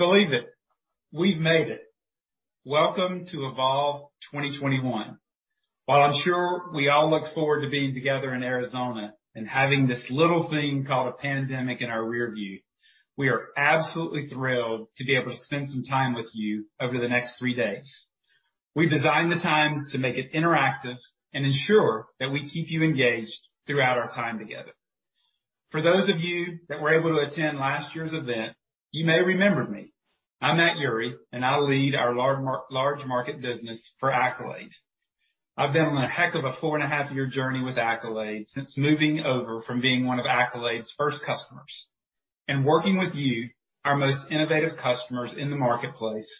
Can you believe it. We've made it. Welcome to Evolve 2021. While I'm sure we all look forward to being together in Arizona and having this little thing called a pandemic in our rear view, we are absolutely thrilled to be able to spend some time with you over the next three days. We've designed the time to make it interactive and ensure that we keep you engaged throughout our time together. For those of you that were able to attend last year's event, you may remember me. I'm Matt Eurey, and I lead our large market business for Accolade. I've been on that heck of a four and a half year journey with Accolade since moving over from being one of Accolades first customers. Working with you, our most innovative customers in the marketplace,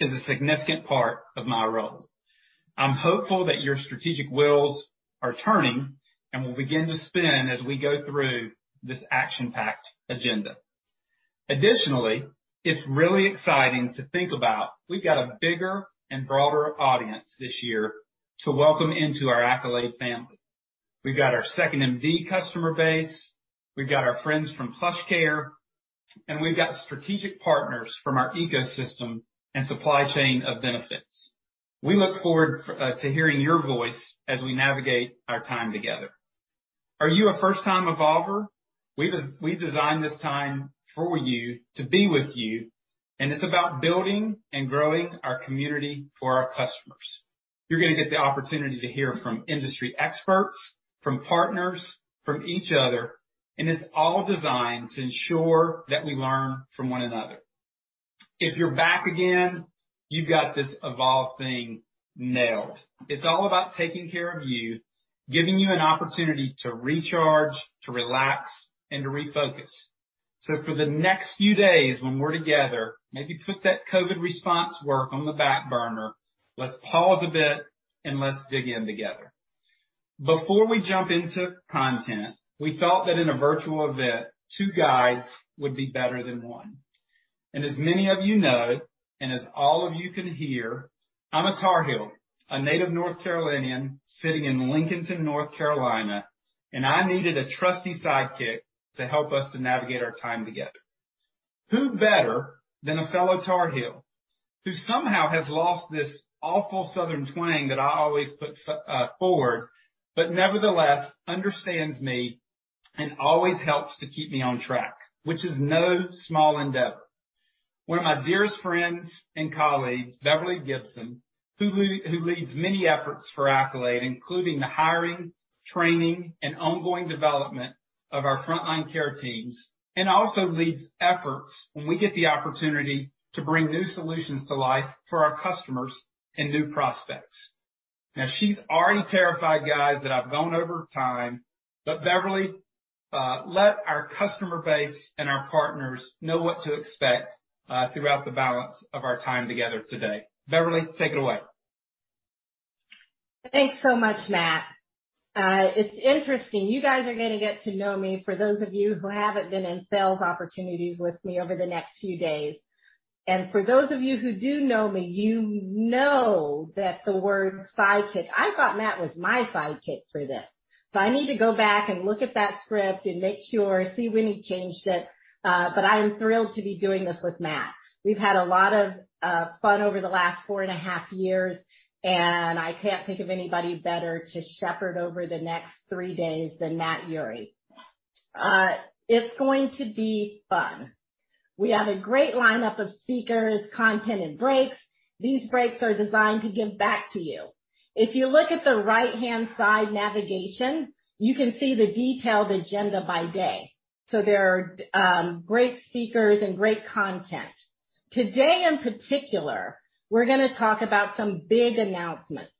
is a significant part of my role. I'm hopeful that your strategic wheels are turning and will begin to spin as we go through this action-packed agenda. It's really exciting to think about, we've got a bigger and broader audience this year to welcome into our Accolade family. We've got our 2nd.MD customer base, we've got our friends from PlushCare, and we've got strategic partners from our ecosystem and supply chain of benefits. We look forward to hearing your voice as we navigate our time together. Are you a first time EVOLVer? We've designed this time for you to be with you, and it's about building and growing our community for our customers. You're going to get the opportunity to hear from industry experts, from partners, from each other, and it's all designed to ensure that we learn from one another. If you're back again, you've got this Evolve thing nailed. It's all about taking care of you, giving you an opportunity to recharge, to relax, and to refocus. For the next few days when we're together, maybe put that COVID response work on the back burner. Let's pause a bit and let's dig in together. Before we jump into content, we felt that in a virtual event, two guides would be better than one. As many of you know, and as all of you can hear, I'm a Tar Heel, a native North Carolinian sitting in Lincolnton, North Carolina, and I needed a trusty sidekick to help us to navigate our time together. Who better than a fellow Tar Heel, who somehow has lost this awful Southern twang that I always put forward, but nevertheless, understands me and always helps to keep me on track, which is no small endeavor. One of my dearest friends and colleagues, Beverly Gibson, who leads many efforts for Accolade, including the hiring, training, and ongoing development of our frontline care teams, and also leads efforts when we get the opportunity to bring new solutions to life for our customers and new prospects. She's already terrified, guys, that I've gone over time, but Beverly, let our customer base and our partners know what to expect throughout the balance of our time together today. Beverly, take it away. Thanks so much, Matt. It's interesting. You guys are going to get to know me, for those of you who haven't been in sales opportunities with me over the next few days. For those of you who do know me, you know that the word sidekick, I thought Matt was my sidekick for this. I need to go back and look at that script and make sure, see where he changed it. I am thrilled to be doing this with Matt. We've had a lot of fun over the last four and a half years, and I can't think of anybody better to shepherd over the next three days than Matt Eurey. It's going to be fun. We have a great lineup of speakers, content, and breaks. These breaks are designed to give back to you. If you look at the right-hand side navigation, you can see the detailed agenda by day. There are great speakers and great content. Today in particular, we're going to talk about some big announcements.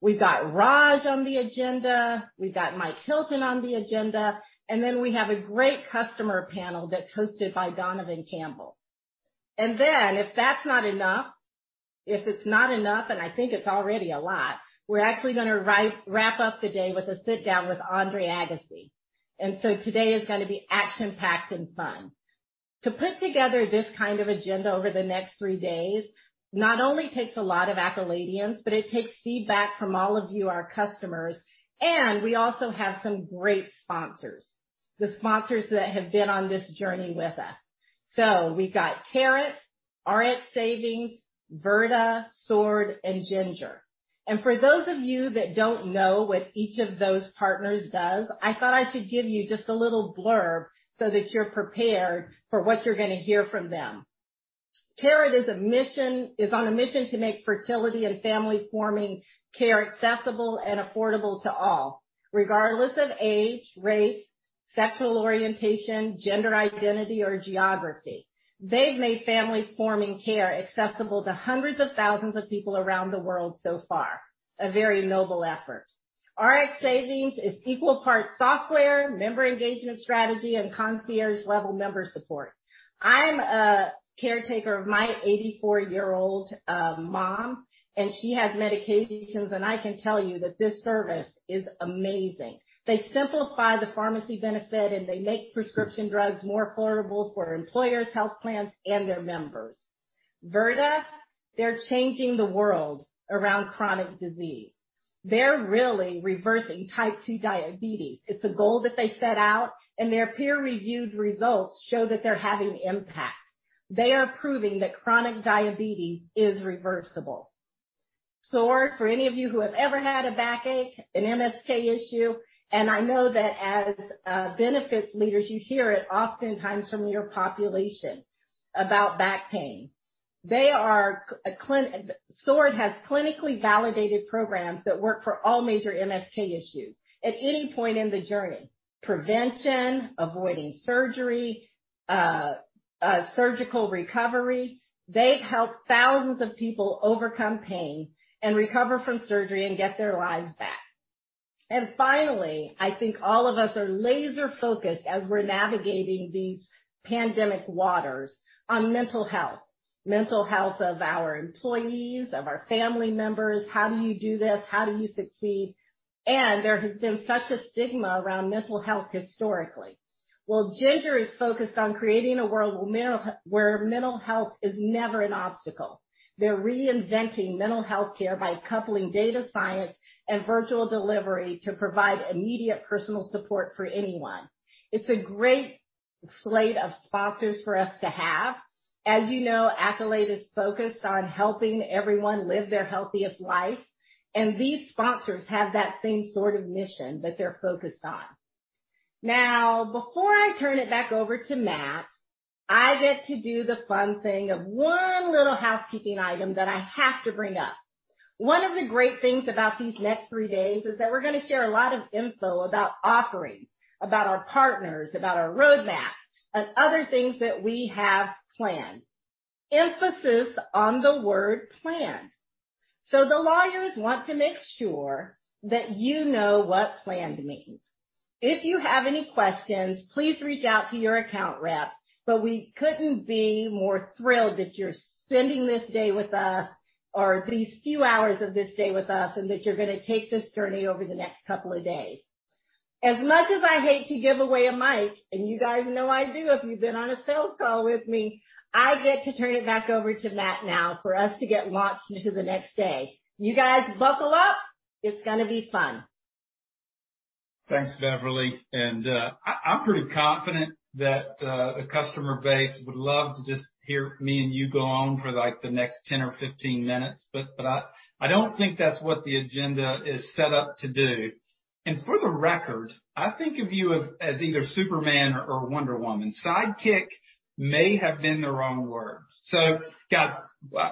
We've got Raj on the agenda. We've got Mike Hilton on the agenda. We have a great customer panel that's hosted by Donovan Campbell. If that's not enough, if it's not enough, I think it's already a lot, we're actually going to wrap up the day with a sit down with Andre Agassi. Today is going to be action-packed and fun. To put together this kind of agenda over the next three days not only takes a lot of Accoladians. It takes feedback from all of you, our customers. We also have some great sponsors. The sponsors that have been on this journey with us. We've got Carrot, Rx Savings, Virta, Sword, and Ginger. For those of you that don't know what each of those partners does, I thought I should give you just a little blurb so that you're prepared for what you're going to hear from them. Carrot is on a mission to make fertility and family forming care accessible and affordable to all, regardless of age, race, sexual orientation, gender identity, or geography. They've made family forming care accessible to hundreds of thousands of people around the world so far. A very noble effort. Rx Savings is equal parts software, member engagement strategy, and concierge level member support. I'm a caretaker of my 84-year-old mom, and she has medications, and I can tell you that this service is amazing. They simplify the pharmacy benefit, and they make prescription drugs more affordable for employers, health plans, and their members. Virta, they're changing the world around chronic disease. They're really reversing Type 2 diabetes. It's a goal that they set out. Their peer-reviewed results show that they're having an impact. They are proving that chronic diabetes is reversible. Sword, for any of you who have ever had a backache, an MSK issue. I know that as benefits leaders, you hear it oftentimes from your population about back pain. Sword has clinically validated programs that work for all major MSK issues at any point in the journey. Prevention, avoiding surgery, surgical recovery. They've helped thousands of people overcome pain and recover from surgery and get their lives back. Finally, I think all of us are laser focused as we're navigating these pandemic waters on mental health. Mental health of our employees, of our family members. How do you do this? How do you succeed? There has been such a stigma around mental health historically. Well, Ginger is focused on creating a world where mental health is never an obstacle. They're reinventing mental healthcare by coupling data science and virtual delivery to provide immediate personal support for anyone. It's a great slate of sponsors for us to have. As you know, Accolade is focused on helping everyone live their healthiest life, and these sponsors have that same sort of mission that they're focused on. Now, before I turn it back over to Matt, I get to do the fun thing of one little housekeeping item that I have to bring up. One of the great things about these next three days is that we're going to share a lot of info about offerings, about our partners, about our roadmap and other things that we have planned. Emphasis on the word planned. The lawyers want to make sure that you know what planned means. If you have any questions, please reach out to your account rep. We couldn't be more thrilled that you're spending this day with us, or these few hours of this day with us, and that you're going to take this journey over the next couple of days. As much as I hate to give away a mic, and you guys know I do if you've been on a sales call with me, I get to turn it back over to Matt now for us to get launched into the next day. You guys buckle up. It's going to be fun. Thanks, Beverly. I'm pretty confident that the customer base would love to just hear me and you go on for the next 10 or 15 minutes, but I don't think that's what the agenda is set up to do. For the record, I think of you as either Superman or Wonder Woman. Sidekick may have been the wrong word. Guys,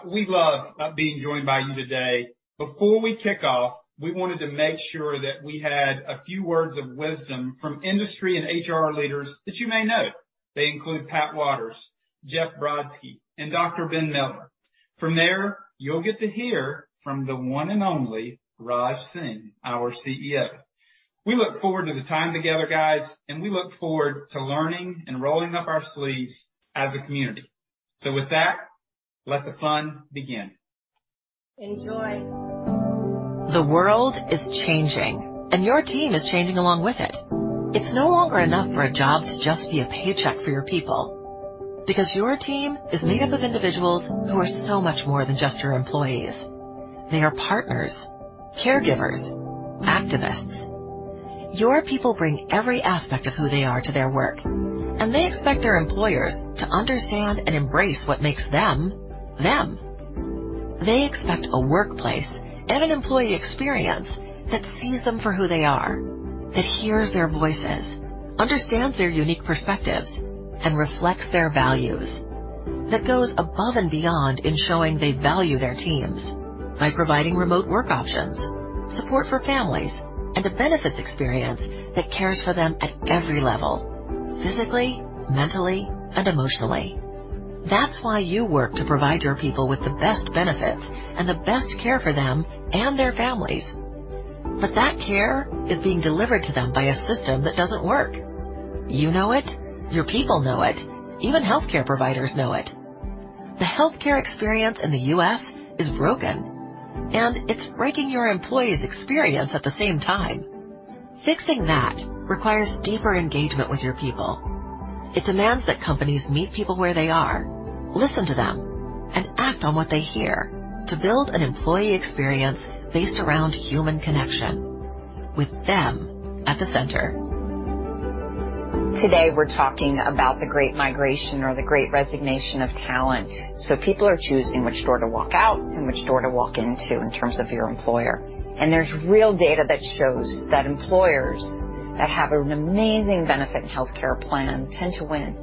we love being joined by you today. Before we kick off, we wanted to make sure that we had a few words of wisdom from industry and HR leaders that you may know. They include Pat Wadors, Jeff Brodsky, and Dr. Ben Miller. From there, you'll get to hear from the one and only Raj Singh, our CEO. We look forward to the time together, guys, and we look forward to learning and rolling up our sleeves as a community. With that, let the fun begin. Enjoy. The world is changing, and your team is changing along with it. It's no longer enough for a job to just be a paycheck for your people, because your team is made up of individuals who are so much more than just your employees. They are partners, caregivers, activists. Your people bring every aspect of who they are to their work, and they expect their employers to understand and embrace what makes them. They expect a workplace and an employee experience that sees them for who they are, that hears their voices, understands their unique perspectives, and reflects their values. That goes above and beyond in showing they value their teams by providing remote work options, support for families, and a benefits experience that cares for them at every level, physically, mentally, and emotionally. That's why you work to provide your people with the best benefits and the best care for them and their families. That care is being delivered to them by a system that doesn't work. You know it. Your people know it. Even healthcare providers know it. The healthcare experience in the U.S. is broken, and it's breaking your employees' experience at the same time. Fixing that requires deeper engagement with your people. It demands that companies meet people where they are, listen to them, and act on what they hear to build an employee experience based around human connection with them at the center. Today, we're talking about the great migration or the Great Resignation of talent. People are choosing which door to walk out and which door to walk into in terms of your employer. There's real data that shows that employers that have an amazing benefit and healthcare plan tend to win.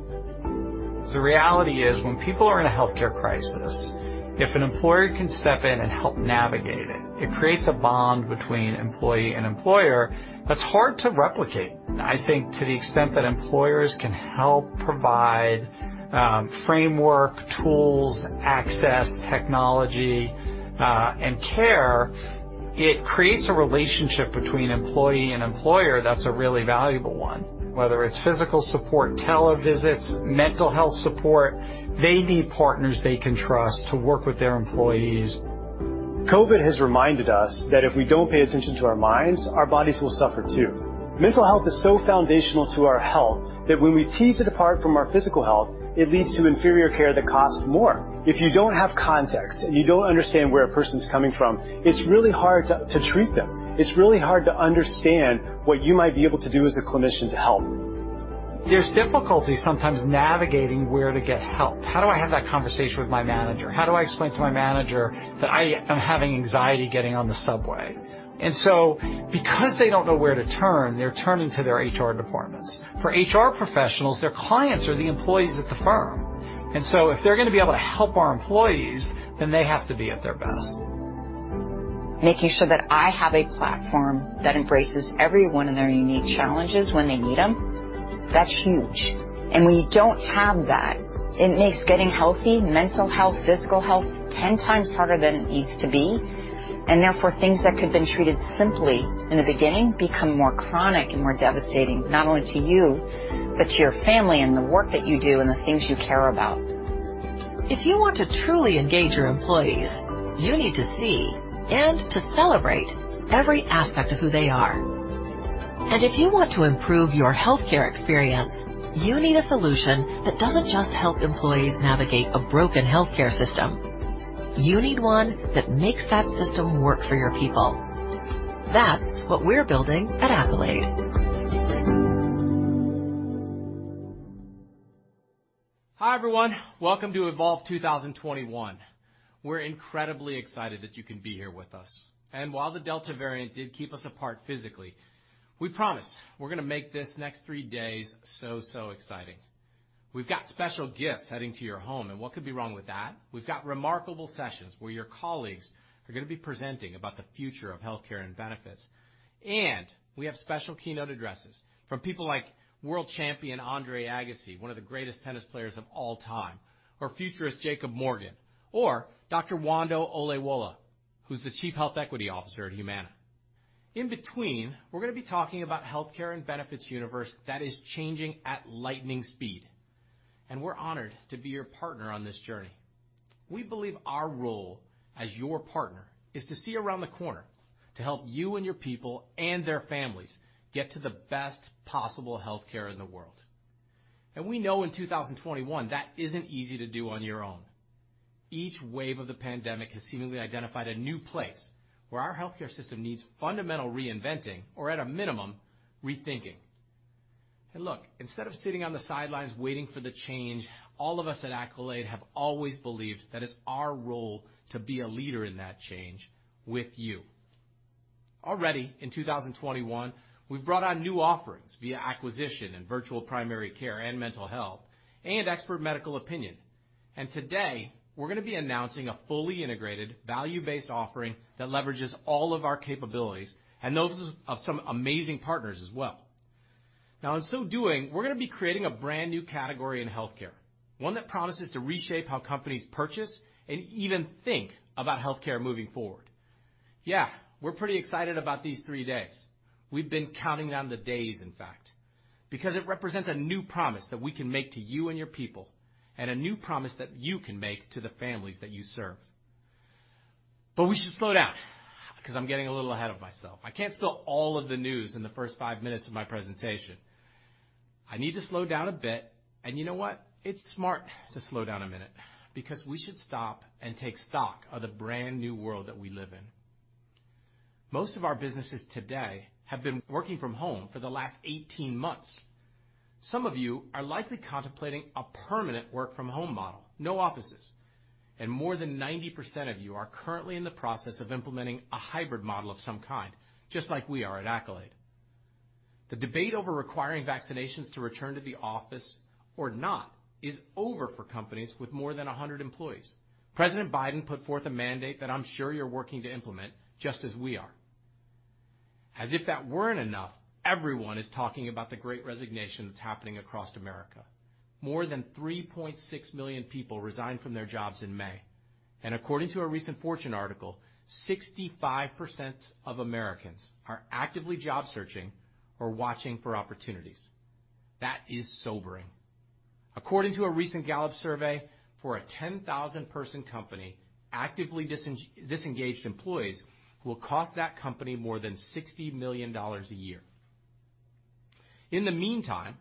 The reality is, when people are in a healthcare crisis, if an employer can step in and help navigate it creates a bond between employee and employer that's hard to replicate. I think to the extent that employers can help provide framework, tools, access, technology, and care, it creates a relationship between employee and employer that's a really valuable one. Whether it's physical support, tele-visits, mental health support, they need partners they can trust to work with their employees. COVID has reminded us that if we don't pay attention to our minds, our bodies will suffer, too. Mental health is so foundational to our health that when we tease it apart from our physical health, it leads to inferior care that costs more. If you don't have context, and you don't understand where a person's coming from, it's really hard to treat them. It's really hard to understand what you might be able to do as a clinician to help. There's difficulty sometimes navigating where to get help. How do I have that conversation with my manager? How do I explain to my manager that I am having anxiety getting on the subway? Because they don't know where to turn, they're turning to their HR departments. For HR professionals, their clients are the employees at the firm. If they're going to be able to help our employees, then they have to be at their best. Making sure that I have a platform that embraces everyone and their unique challenges when they need them, that's huge. When you don't have that, it makes getting healthy, mental health, physical health, 10 times harder than it needs to be. Therefore, things that could have been treated simply in the beginning become more chronic and more devastating, not only to you, but to your family and the work that you do and the things you care about. If you want to truly engage your employees, you need to see and to celebrate every aspect of who they are. If you want to improve your healthcare experience, you need a solution that doesn't just help employees navigate a broken healthcare system. You need one that makes that system work for your people. That's what we're building at Accolade. Hi, everyone. Welcome to Evolve 2021. We're incredibly excited that you can be here with us. While the Delta variant did keep us apart physically, we promise we're going to make these next three days so exciting. We've got special gifts heading to your home, and what could be wrong with that? We've got remarkable sessions where your colleagues are going to be presenting about the future of healthcare and benefits. We have special keynote addresses from people like world champion Andre Agassi, one of the greatest tennis players of all time, or Futurist Jacob Morgan, or Dr. Nwando Olayiwola, who's the Chief Health Equity Officer at Humana. In between, we're going to be talking about healthcare and benefits universe that is changing at lightning speed. We're honored to be your partner on this journey. We believe our role as your partner is to see around the corner to help you and your people and their families get to the best possible healthcare in the world. We know in 2021, that isn't easy to do on your own. Each wave of the pandemic has seemingly identified a new place where our healthcare system needs fundamental reinventing or, at a minimum, rethinking. Instead of sitting on the sidelines waiting for the change, all of us at Accolade have always believed that it's our role to be a leader in that change with you. Already in 2021, we've brought on new offerings via acquisition in virtual primary care and mental health and expert medical opinion. Today, we're going to be announcing a fully integrated value-based offering that leverages all of our capabilities and those of some amazing partners as well. In so doing, we're going to be creating a brand-new category in healthcare, one that promises to reshape how companies purchase and even think about healthcare moving forward. We're pretty excited about these three days. We've been counting down the days, in fact, because it represents a new promise that we can make to you and your people, and a new promise that you can make to the families that you serve. We should slow down because I'm getting a little ahead of myself. I can't spill all of the news in the first five minutes of my presentation. I need to slow down a bit, and you know what. It's smart to slow down a minute because we should stop and take stock of the brand new world that we live in. Most of our businesses today have been working from home for the last 18 months. Some of you are likely contemplating a permanent work-from-home model, no offices, and more than 90% of you are currently in the process of implementing a hybrid model of some kind, just like we are at Accolade. The debate over requiring vaccinations to return to the office or not is over for companies with more than 100 employees. President Biden put forth a mandate that I'm sure you're working to implement, just as we are. As if that weren't enough, everyone is talking about the Great Resignation that's happening across America. More than 3.6 million people resigned from their jobs in May. According to a recent Fortune article, 65% of Americans are actively job searching or watching for opportunities. That is sobering. According to a recent Gallup survey, for a 10,000-person company, actively disengaged employees will cost that company more than $60 million a year. In the meantime,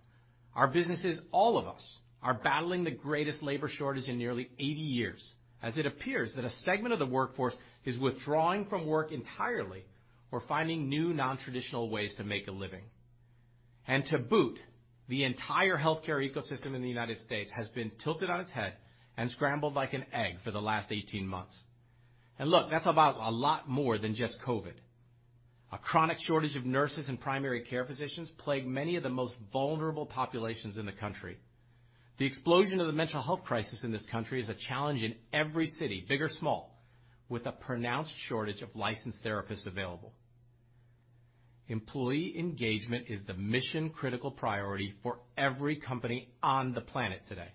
our businesses, all of us, are battling the greatest labor shortage in nearly 80 years, as it appears that a segment of the workforce is withdrawing from work entirely or finding new, non-traditional ways to make a living. To boot, the entire healthcare ecosystem in the United States has been tilted on its head and scrambled like an egg for the last 18 months. Look, that's about a lot more than just COVID. A chronic shortage of nurses and primary care physicians plague many of the most vulnerable populations in the country. The explosion of the mental health crisis in this country is a challenge in every city, big or small, with a pronounced shortage of licensed therapists available. Employee engagement is the mission-critical priority for every company on the planet today.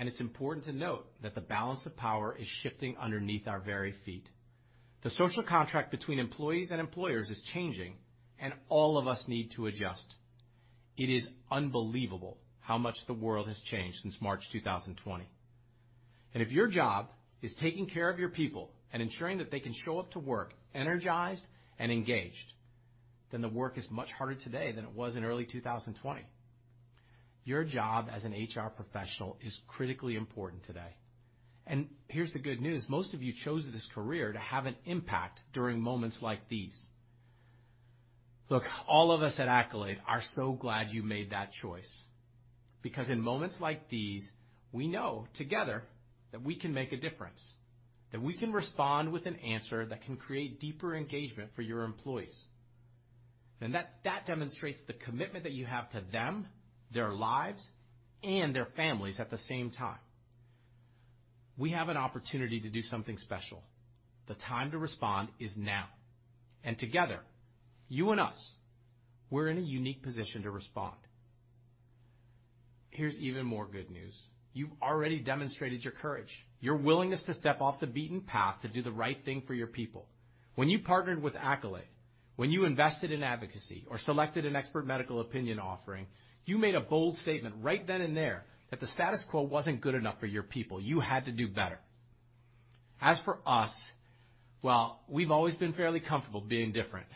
It's important to note that the balance of power is shifting underneath our very feet. The social contract between employees and employers is changing, and all of us need to adjust. It is unbelievable how much the world has changed since March 2020. If your job is taking care of your people and ensuring that they can show up to work energized and engaged, then the work is much harder today than it was in early 2020. Your job as an HR professional is critically important today. Here's the good news. Most of you chose this career to have an impact during moments like these. All of us at Accolade are so glad you made that choice, because in moments like these, we know together that we can make a difference, that we can respond with an answer that can create deeper engagement for your employees. That demonstrates the commitment that you have to them, their lives, and their families at the same time. We have an opportunity to do something special. The time to respond is now. Together, you and us, we're in a unique position to respond. Here's even more good news. You've already demonstrated your courage, your willingness to step off the beaten path to do the right thing for your people. When you partnered with Accolade, when you invested in advocacy or selected an expert medical opinion offering, you made a bold statement right then and there that the status quo wasn't good enough for your people. You had to do better. As for us, well, we've always been fairly comfortable being different.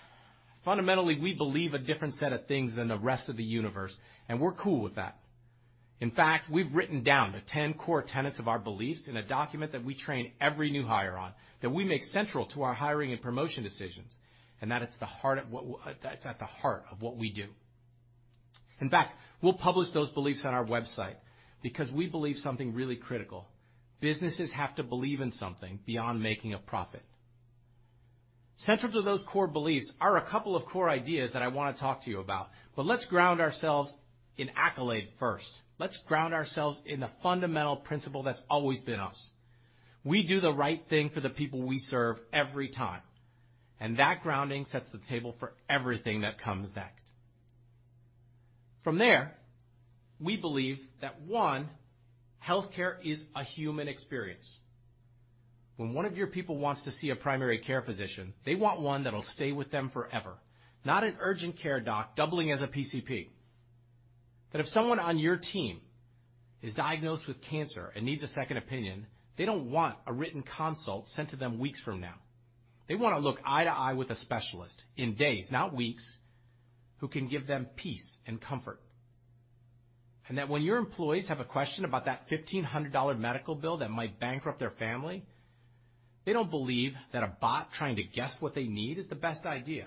Fundamentally, we believe a different set of things than the rest of the universe, and we're cool with that. We've written down the ten core tenets of our beliefs in a document that we train every new hire on, that we make central to our hiring and promotion decisions, and that it's at the heart of what we do. We'll publish those beliefs on our website because we believe something really critical. Businesses have to believe in something beyond making a profit. Central to those core beliefs are a couple of core ideas that I want to talk to you about, but let's ground ourselves in Accolade first. Let's ground ourselves in the fundamental principle that's always been us. We do the right thing for the people we serve every time, and that grounding sets the table for everything that comes next. From there, we believe that, one, healthcare is a human experience. When one of your people wants to see a primary care physician, they want one that'll stay with them forever, not an urgent care doc doubling as a PCP. That if someone on your team is diagnosed with cancer and needs a second opinion, they don't want a written consult sent to them weeks from now. They want to look eye to eye with a specialist in days, not weeks, who can give them peace and comfort. That when your employees have a question about that $1,500 medical bill that might bankrupt their family, they don't believe that a bot trying to guess what they need is the best idea.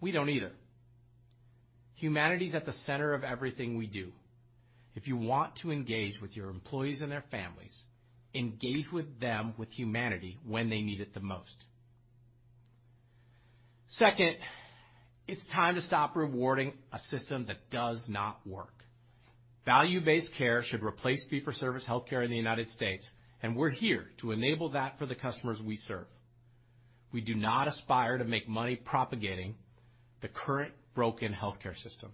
We don't either. Humanity is at the center of everything we do. If you want to engage with your employees and their families, engage with them with humanity when they need it the most. Second, it's time to stop rewarding a system that does not work. Value-based care should replace fee-for-service healthcare in the United States. We're here to enable that for the customers we serve. We do not aspire to make money propagating the current broken healthcare system.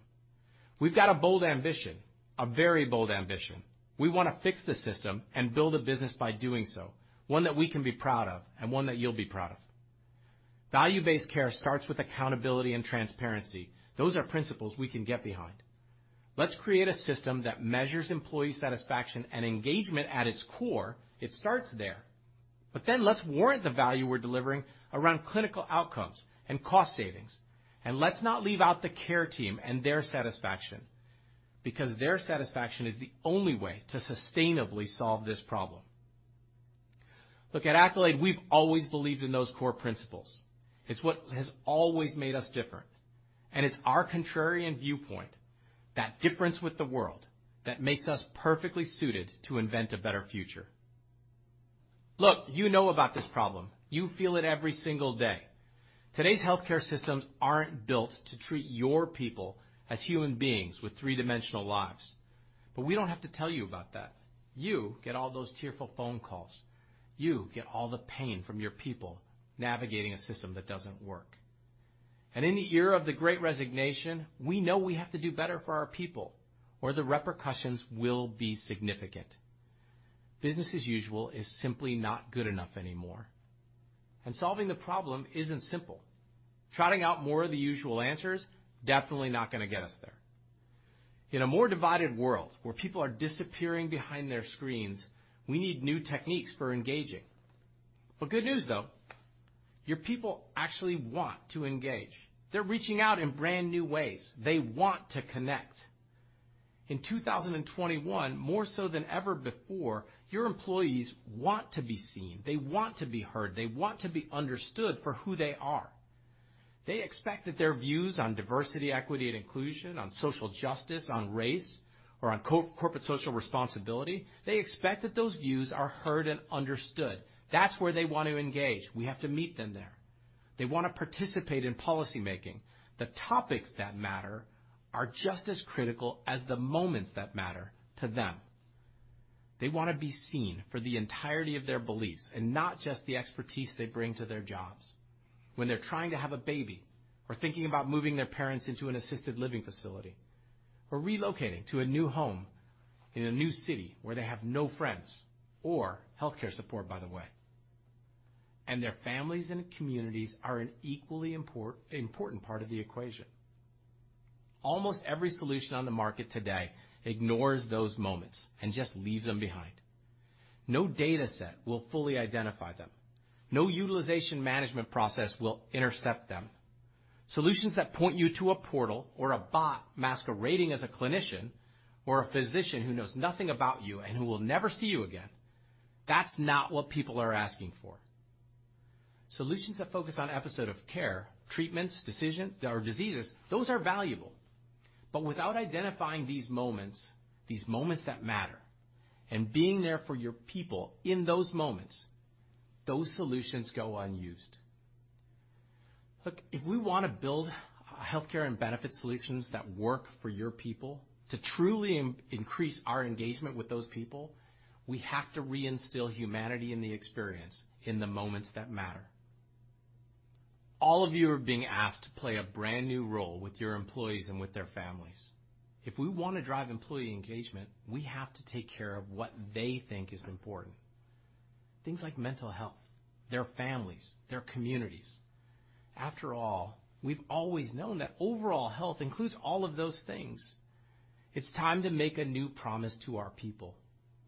We've got a bold ambition, a very bold ambition. We want to fix the system and build a business by doing so, one that we can be proud of and one that you'll be proud of. Value-based care starts with accountability and transparency. Those are principles we can get behind. Let's create a system that measures employee satisfaction and engagement at its core. It starts there. Let's warrant the value we're delivering around clinical outcomes and cost savings. Let's not leave out the care team and their satisfaction, because their satisfaction is the only way to sustainably solve this problem. At Accolade, we've always believed in those core principles. It's what has always made us different, and it's our contrarian viewpoint, that difference with the world, that makes us perfectly suited to invent a better future. You know about this problem. You feel it every single day. Today's healthcare systems aren't built to treat your people as human beings with three-dimensional lives. We don't have to tell you about that. You get all those tearful phone calls. You get all the pain from your people navigating a system that doesn't work. In the era of the Great Resignation, we know we have to do better for our people, or the repercussions will be significant. Business as usual is simply not good enough anymore. Solving the problem isn't simple. Trotting out more of the usual answers, definitely not going to get us there. In a more divided world where people are disappearing behind their screens, we need new techniques for engaging. Good news, though, your people actually want to engage. They're reaching out in brand new ways. They want to connect. In 2021, more so than ever before, your employees want to be seen. They want to be heard. They want to be understood for who they are. They expect that their views on diversity, equity, and inclusion, on social justice, on race, or on corporate social responsibility, they expect that those views are heard and understood. That's where they want to engage. We have to meet them there. They want to participate in policymaking. The topics that matter are just as critical as the moments that matter to them. They want to be seen for the entirety of their beliefs and not just the expertise they bring to their jobs. When they're trying to have a baby or thinking about moving their parents into an assisted living facility or relocating to a new home in a new city where they have no friends or healthcare support, by the way. Their families and communities are an equally important part of the equation. Almost every solution on the market today ignores those moments and just leaves them behind. No data set will fully identify them. No utilization management process will intercept them. Solutions that point you to a portal or a bot masquerading as a clinician or a physician who knows nothing about you and who will never see you again, that's not what people are asking for. Solutions that focus on episode of care, treatments, decision or diseases, those are valuable. Without identifying these moments, these moments that matter, and being there for your people in those moments, those solutions go unused. Look, if we want to build healthcare and benefit solutions that work for your people to truly increase our engagement with those people, we have to reinstill humanity in the experience in the moments that matter. All of you are being asked to play a brand new role with your employees and with their families. If we want to drive employee engagement, we have to take care of what they think is important, things like mental health, their families, their communities. After all, we've always known that overall health includes all of those things. It's time to make a new promise to our people.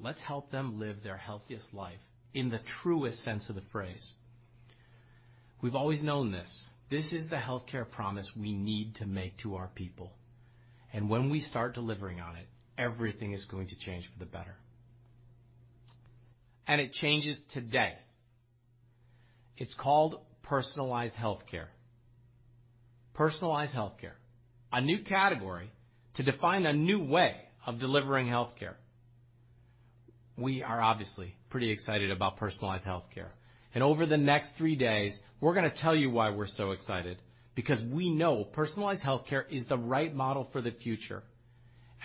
Let's help them live their healthiest life in the truest sense of the phrase. We've always known this. This is the healthcare promise we need to make to our people. When we start delivering on it, everything is going to change for the better. It changes today. It's called Personalized Healthcare. Personalized Healthcare, a new category to define a new way of delivering healthcare. We are obviously pretty excited about Personalized Healthcare. Over the next three days, we're going to tell you why we're so excited because we know Personalized Healthcare is the right model for the future.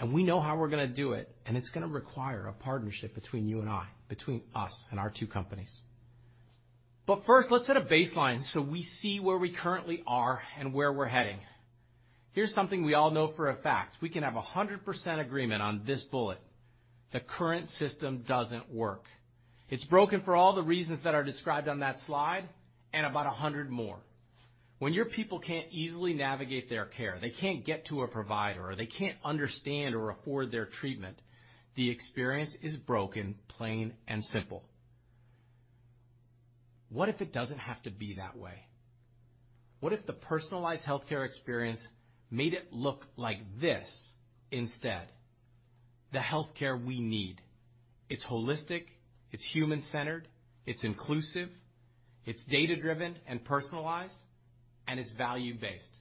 We know how we're going to do it, and it's going to require a partnership between you and I, between us and our two companies. First, let's set a baseline so we see where we currently are and where we're heading. Here's something we all know for a fact. We can have 100% agreement on this bullet. The current system doesn't work. It's broken for all the reasons that are described on that slide and about 100 more. When your people can't easily navigate their care, they can't get to a provider, or they can't understand or afford their treatment, the experience is broken, plain and simple. What if it doesn't have to be that way? What if the Personalized Healthcare experience made it look like this instead? The healthcare we need. It's holistic, it's human-centered, it's inclusive, it's data-driven and personalized, and it's value-based.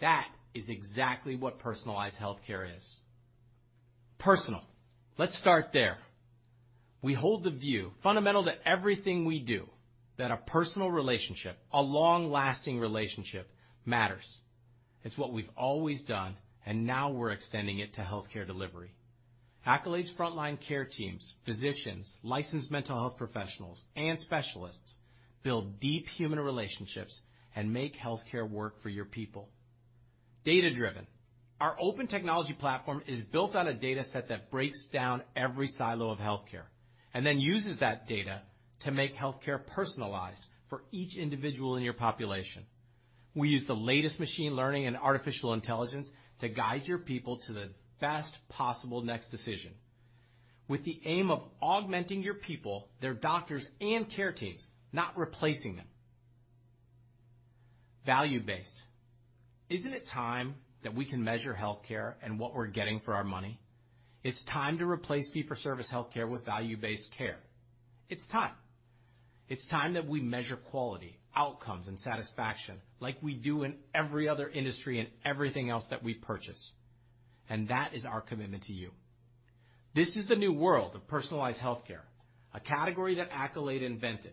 That is exactly what Personalized Healthcare is. Personal. Let's start there. We hold the view fundamental to everything we do that a personal relationship, a long-lasting relationship matters. It's what we've always done, and now we're extending it to healthcare delivery. Accolade's frontline care teams, physicians, licensed mental health professionals, and specialists build deep human relationships and make healthcare work for your people. Data-driven. Our open technology platform is built on a data set that breaks down every silo of healthcare and then uses that data to make healthcare personalized for each individual in your population. We use the latest machine learning and artificial intelligence to guide your people to the best possible next decision with the aim of augmenting your people, their doctors, and care teams, not replacing them. Value-based. Isn't it time that we can measure healthcare and what we're getting for our money? It's time to replace fee-for-service healthcare with value-based care. It's time. It's time that we measure quality, outcomes, and satisfaction like we do in every other industry and everything else that we purchase. That is our commitment to you. This is the new world of Personalized Healthcare, a category that Accolade invented.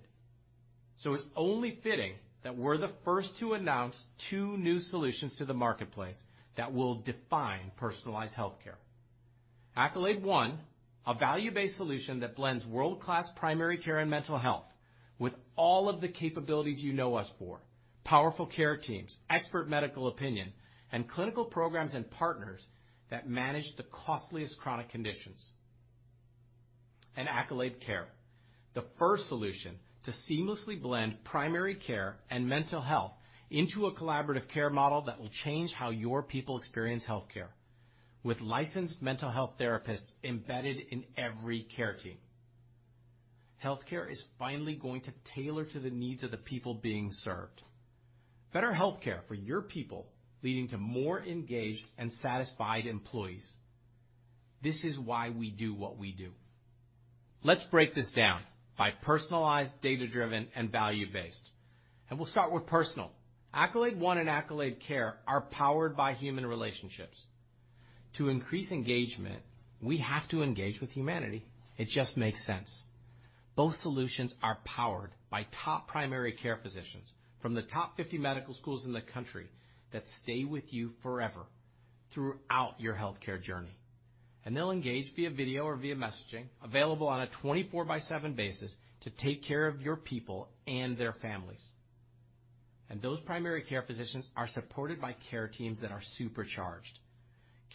It's only fitting that we're the first to announce two new solutions to the marketplace that will define Personalized Healthcare. Accolade One, a value-based solution that blends world-class primary care and mental health with all of the capabilities you know us for, powerful care teams, expert medical opinion, and clinical programs and partners that manage the costliest chronic conditions. Accolade Care, the first solution to seamlessly blend primary care and mental health into a collaborative care model that will change how your people experience healthcare with licensed mental health therapists embedded in every care team. Healthcare is finally going to tailor to the needs of the people being served. Better healthcare for your people, leading to more engaged and satisfied employees. This is why we do what we do. Let's break this down by personalized, data-driven, and value-based. We'll start with personal. Accolade One and Accolade Care are powered by human relationships. To increase engagement, we have to engage with humanity. It just makes sense. Both solutions are powered by top primary care physicians from the top 50 medical schools in the country that stay with you forever throughout your healthcare journey. They'll engage via video or via messaging available on a 24 by seven basis to take care of your people and their families. Those primary care physicians are supported by care teams that are supercharged.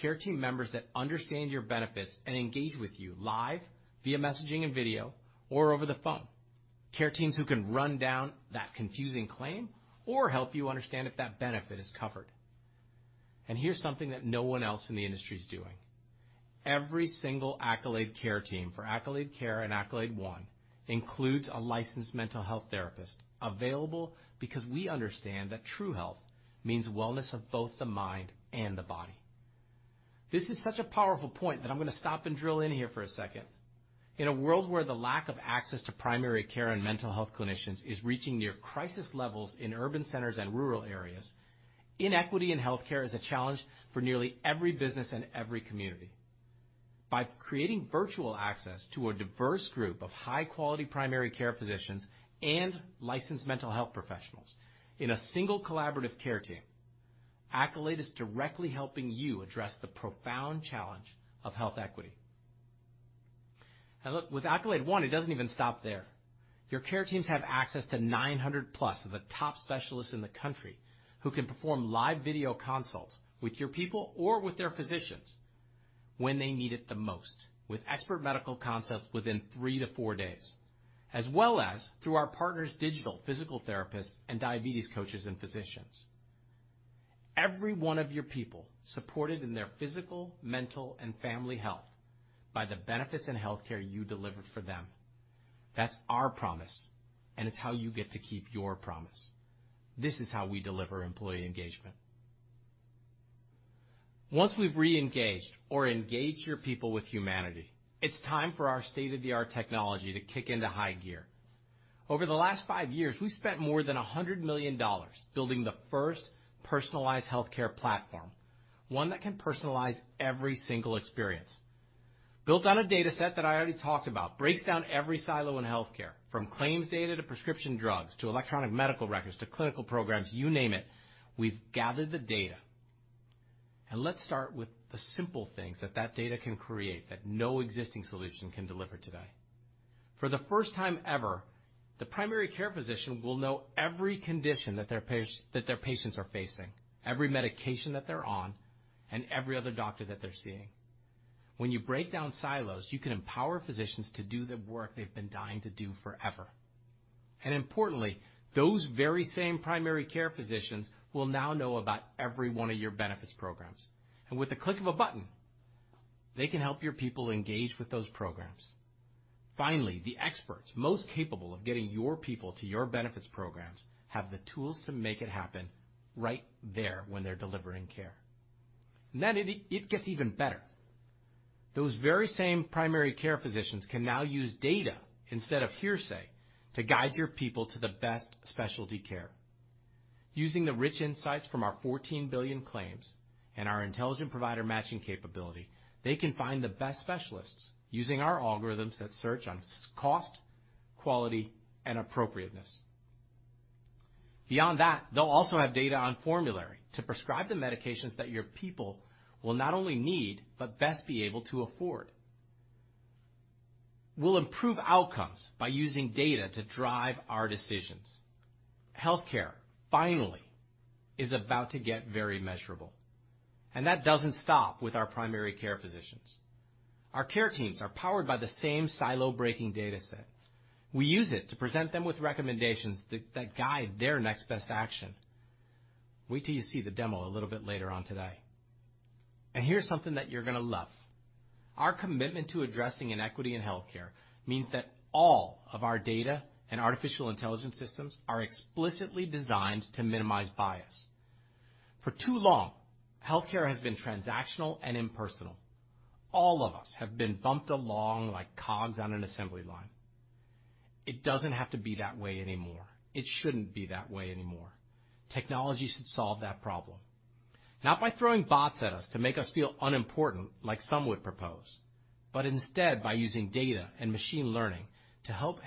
Care team members that understand your benefits and engage with you live via messaging and video or over the phone. Care teams who can run down that confusing claim or help you understand if that benefit is covered. Here's something that no one else in the industry is doing. Every single Accolade care team for Accolade Care and Accolade One includes a licensed mental health therapist available because we understand that true health means wellness of both the mind and the body. This is such a powerful point that I'm going to stop and drill in here for a second. In a world where the lack of access to primary care and mental health clinicians is reaching near crisis levels in urban centers and rural areas, inequity in healthcare is a challenge for nearly every business and every community. By creating virtual access to a diverse group of high-quality primary care physicians and licensed mental health professionals in a single collaborative care team, Accolade is directly helping you address the profound challenge of health equity. Look, with Accolade One, it doesn't even stop there. Your care teams have access to 900-plus of the top specialists in the country who can perform live video consults with your people or with their physicians when they need it the most, with expert medical consults within three to four days, as well as through our partners' digital physical therapists and diabetes coaches and physicians. Every one of your people supported in their physical, mental, and family health by the benefits and healthcare you deliver for them. That's our promise, and it's how you get to keep your promise. This is how we deliver employee engagement. Once we've re-engaged or engaged your people with humanity, it's time for our state-of-the-art technology to kick into high gear. Over the last five years, we've spent more than $100 million building the first Personalized Healthcare platform, one that can personalize every single experience. Built on a data set that I already talked about, breaks down every silo in healthcare, from claims data to prescription drugs to electronic medical records to clinical programs, you name it. We've gathered the data. Let's start with the simple things that that data can create that no existing solution can deliver today. For the first time ever, the primary care physician will know every condition that their patients are facing, every medication that they're on, and every other doctor that they're seeing. When you break down silos, you can empower physicians to do the work they've been dying to do forever. Importantly, those very same primary care physicians will now know about every one of your benefits programs. With the click of a button, they can help your people engage with those programs. Finally, the experts most capable of getting your people to your benefits programs have the tools to make it happen right there when they're delivering care. Then it gets even better. Those very same primary care physicians can now use data instead of hearsay to guide your people to the best specialty care. Using the rich insights from our 14 billion claims and our intelligent provider matching capability, they can find the best specialists using our algorithms that search on cost, quality, and appropriateness. Beyond that, they'll also have data on formulary to prescribe the medications that your people will not only need, but best be able to afford. We'll improve outcomes by using data to drive our decisions. Healthcare finally is about to get very measurable. That doesn't stop with our primary care physicians. Our care teams are powered by the same silo-breaking data sets. We use it to present them with recommendations that guide their next best action. Wait till you see the demo a little bit later on today. Here's something that you're going to love. Our commitment to addressing inequity in healthcare means that all of our data and artificial intelligence systems are explicitly designed to minimize bias. For too long, healthcare has been transactional and impersonal. All of us have been bumped along like cogs on an assembly line. It doesn't have to be that way anymore. It shouldn't be that way anymore. Technology should solve that problem. Not by throwing bots at us to make us feel unimportant like some would propose, but instead by using data and machine learning to help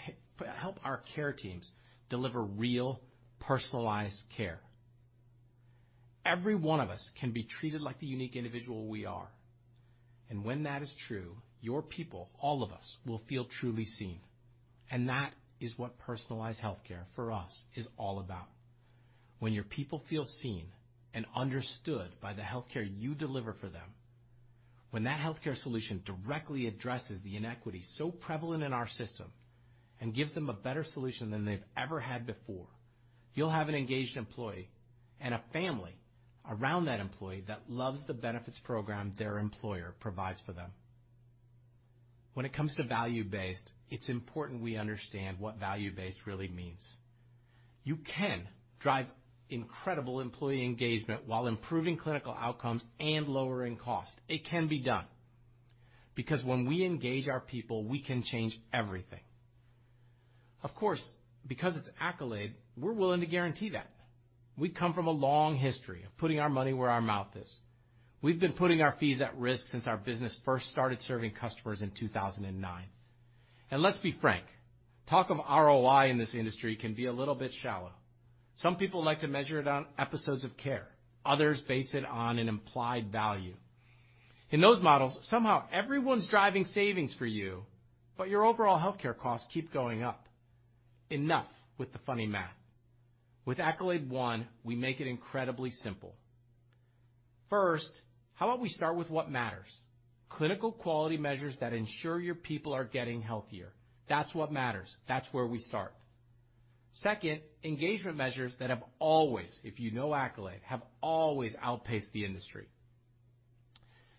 our care teams deliver real, personalized care. Every one of us can be treated like the unique individual we are. When that is true, your people, all of us, will feel truly seen. That is what Personalized Healthcare for us is all about. When your people feel seen and understood by the healthcare you deliver for them, when that healthcare solution directly addresses the inequities so prevalent in our system and gives them a better solution than they've ever had before, you'll have an engaged employee and a family around that employee that loves the benefits program their employer provides for them. When it comes to value-based, it's important we understand what value-based really means. You can drive incredible employee engagement while improving clinical outcomes and lowering costs. It can be done. When we engage our people, we can change everything. Of course, because it's Accolade, we're willing to guarantee that. We come from a long history of putting our money where our mouth is. We've been putting our fees at risk since our business first started serving customers in 2009. Let's be frank, talk of ROI in this industry can be a little bit shallow. Some people like to measure it on episodes of care. Others base it on an implied value. In those models, somehow everyone's driving savings for you, but your overall healthcare costs keep going up. Enough with the funny math. With Accolade One, we make it incredibly simple. First, how about we start with what matters? Clinical quality measures that ensure your people are getting healthier. That's what matters. That's where we start. Second, engagement measures that have always, if you know Accolade, have always outpaced the industry.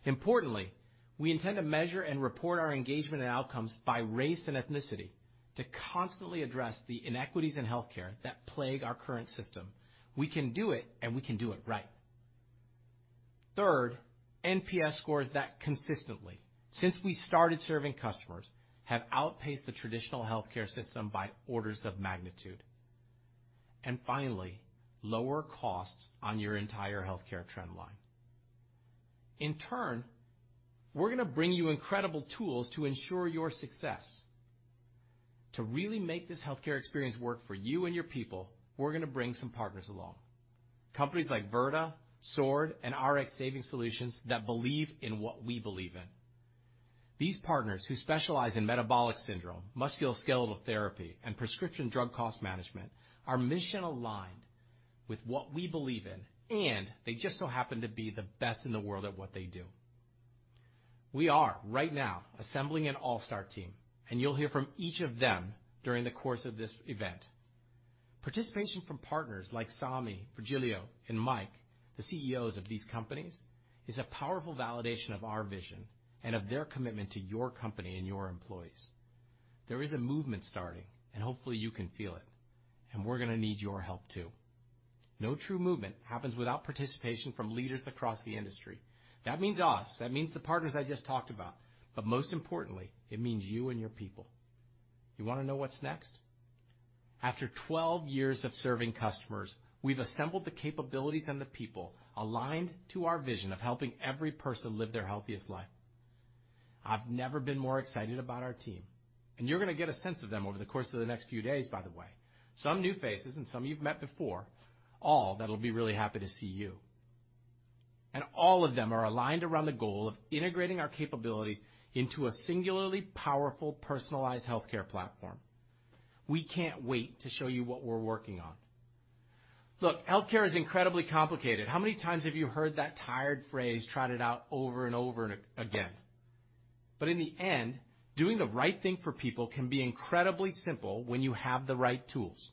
Importantly, we intend to measure and report our engagement and outcomes by race and ethnicity to constantly address the inequities in healthcare that plague our current system. We can do it, and we can do it right. Third, NPS scores that consistently, since we started serving customers, have outpaced the traditional healthcare system by orders of magnitude. Finally, lower costs on your entire healthcare trend line. In turn, we're going to bring you incredible tools to ensure your success. To really make this healthcare experience work for you and your people, we're going to bring some partners along. Companies like Virta, Sword, and Rx Savings Solutions that believe in what we believe in. These partners who specialize in metabolic syndrome, musculoskeletal therapy, and prescription drug cost management, are mission-aligned with what we believe in, and they just so happen to be the best in the world at what they do. We are right now assembling an all-star team, and you'll hear from each of them during the course of this event. Participation from partners like Sami, Virgilio, and Mike, the CEOs of these companies, is a powerful validation of our vision and of their commitment to your company and your employees. There is a movement starting, and hopefully, you can feel it, and we're going to need your help too. No true movement happens without participation from leaders across the industry. That means us, that means the partners I just talked about, but most importantly, it means you and your people. You want to know what's next? After 12 years of serving customers, we've assembled the capabilities and the people aligned to our vision of helping every person live their healthiest life. I've never been more excited about our team, and you're going to get a sense of them over the course of the next few days, by the way. Some new faces and some you've met before, all that'll be really happy to see you. All of them are aligned around the goal of integrating our capabilities into a singularly powerful, Personalized Healthcare platform. We can't wait to show you what we're working on. Look, healthcare is incredibly complicated. How many times have you heard that tired phrase trotted out over and over again? In the end, doing the right thing for people can be incredibly simple when you have the right tools.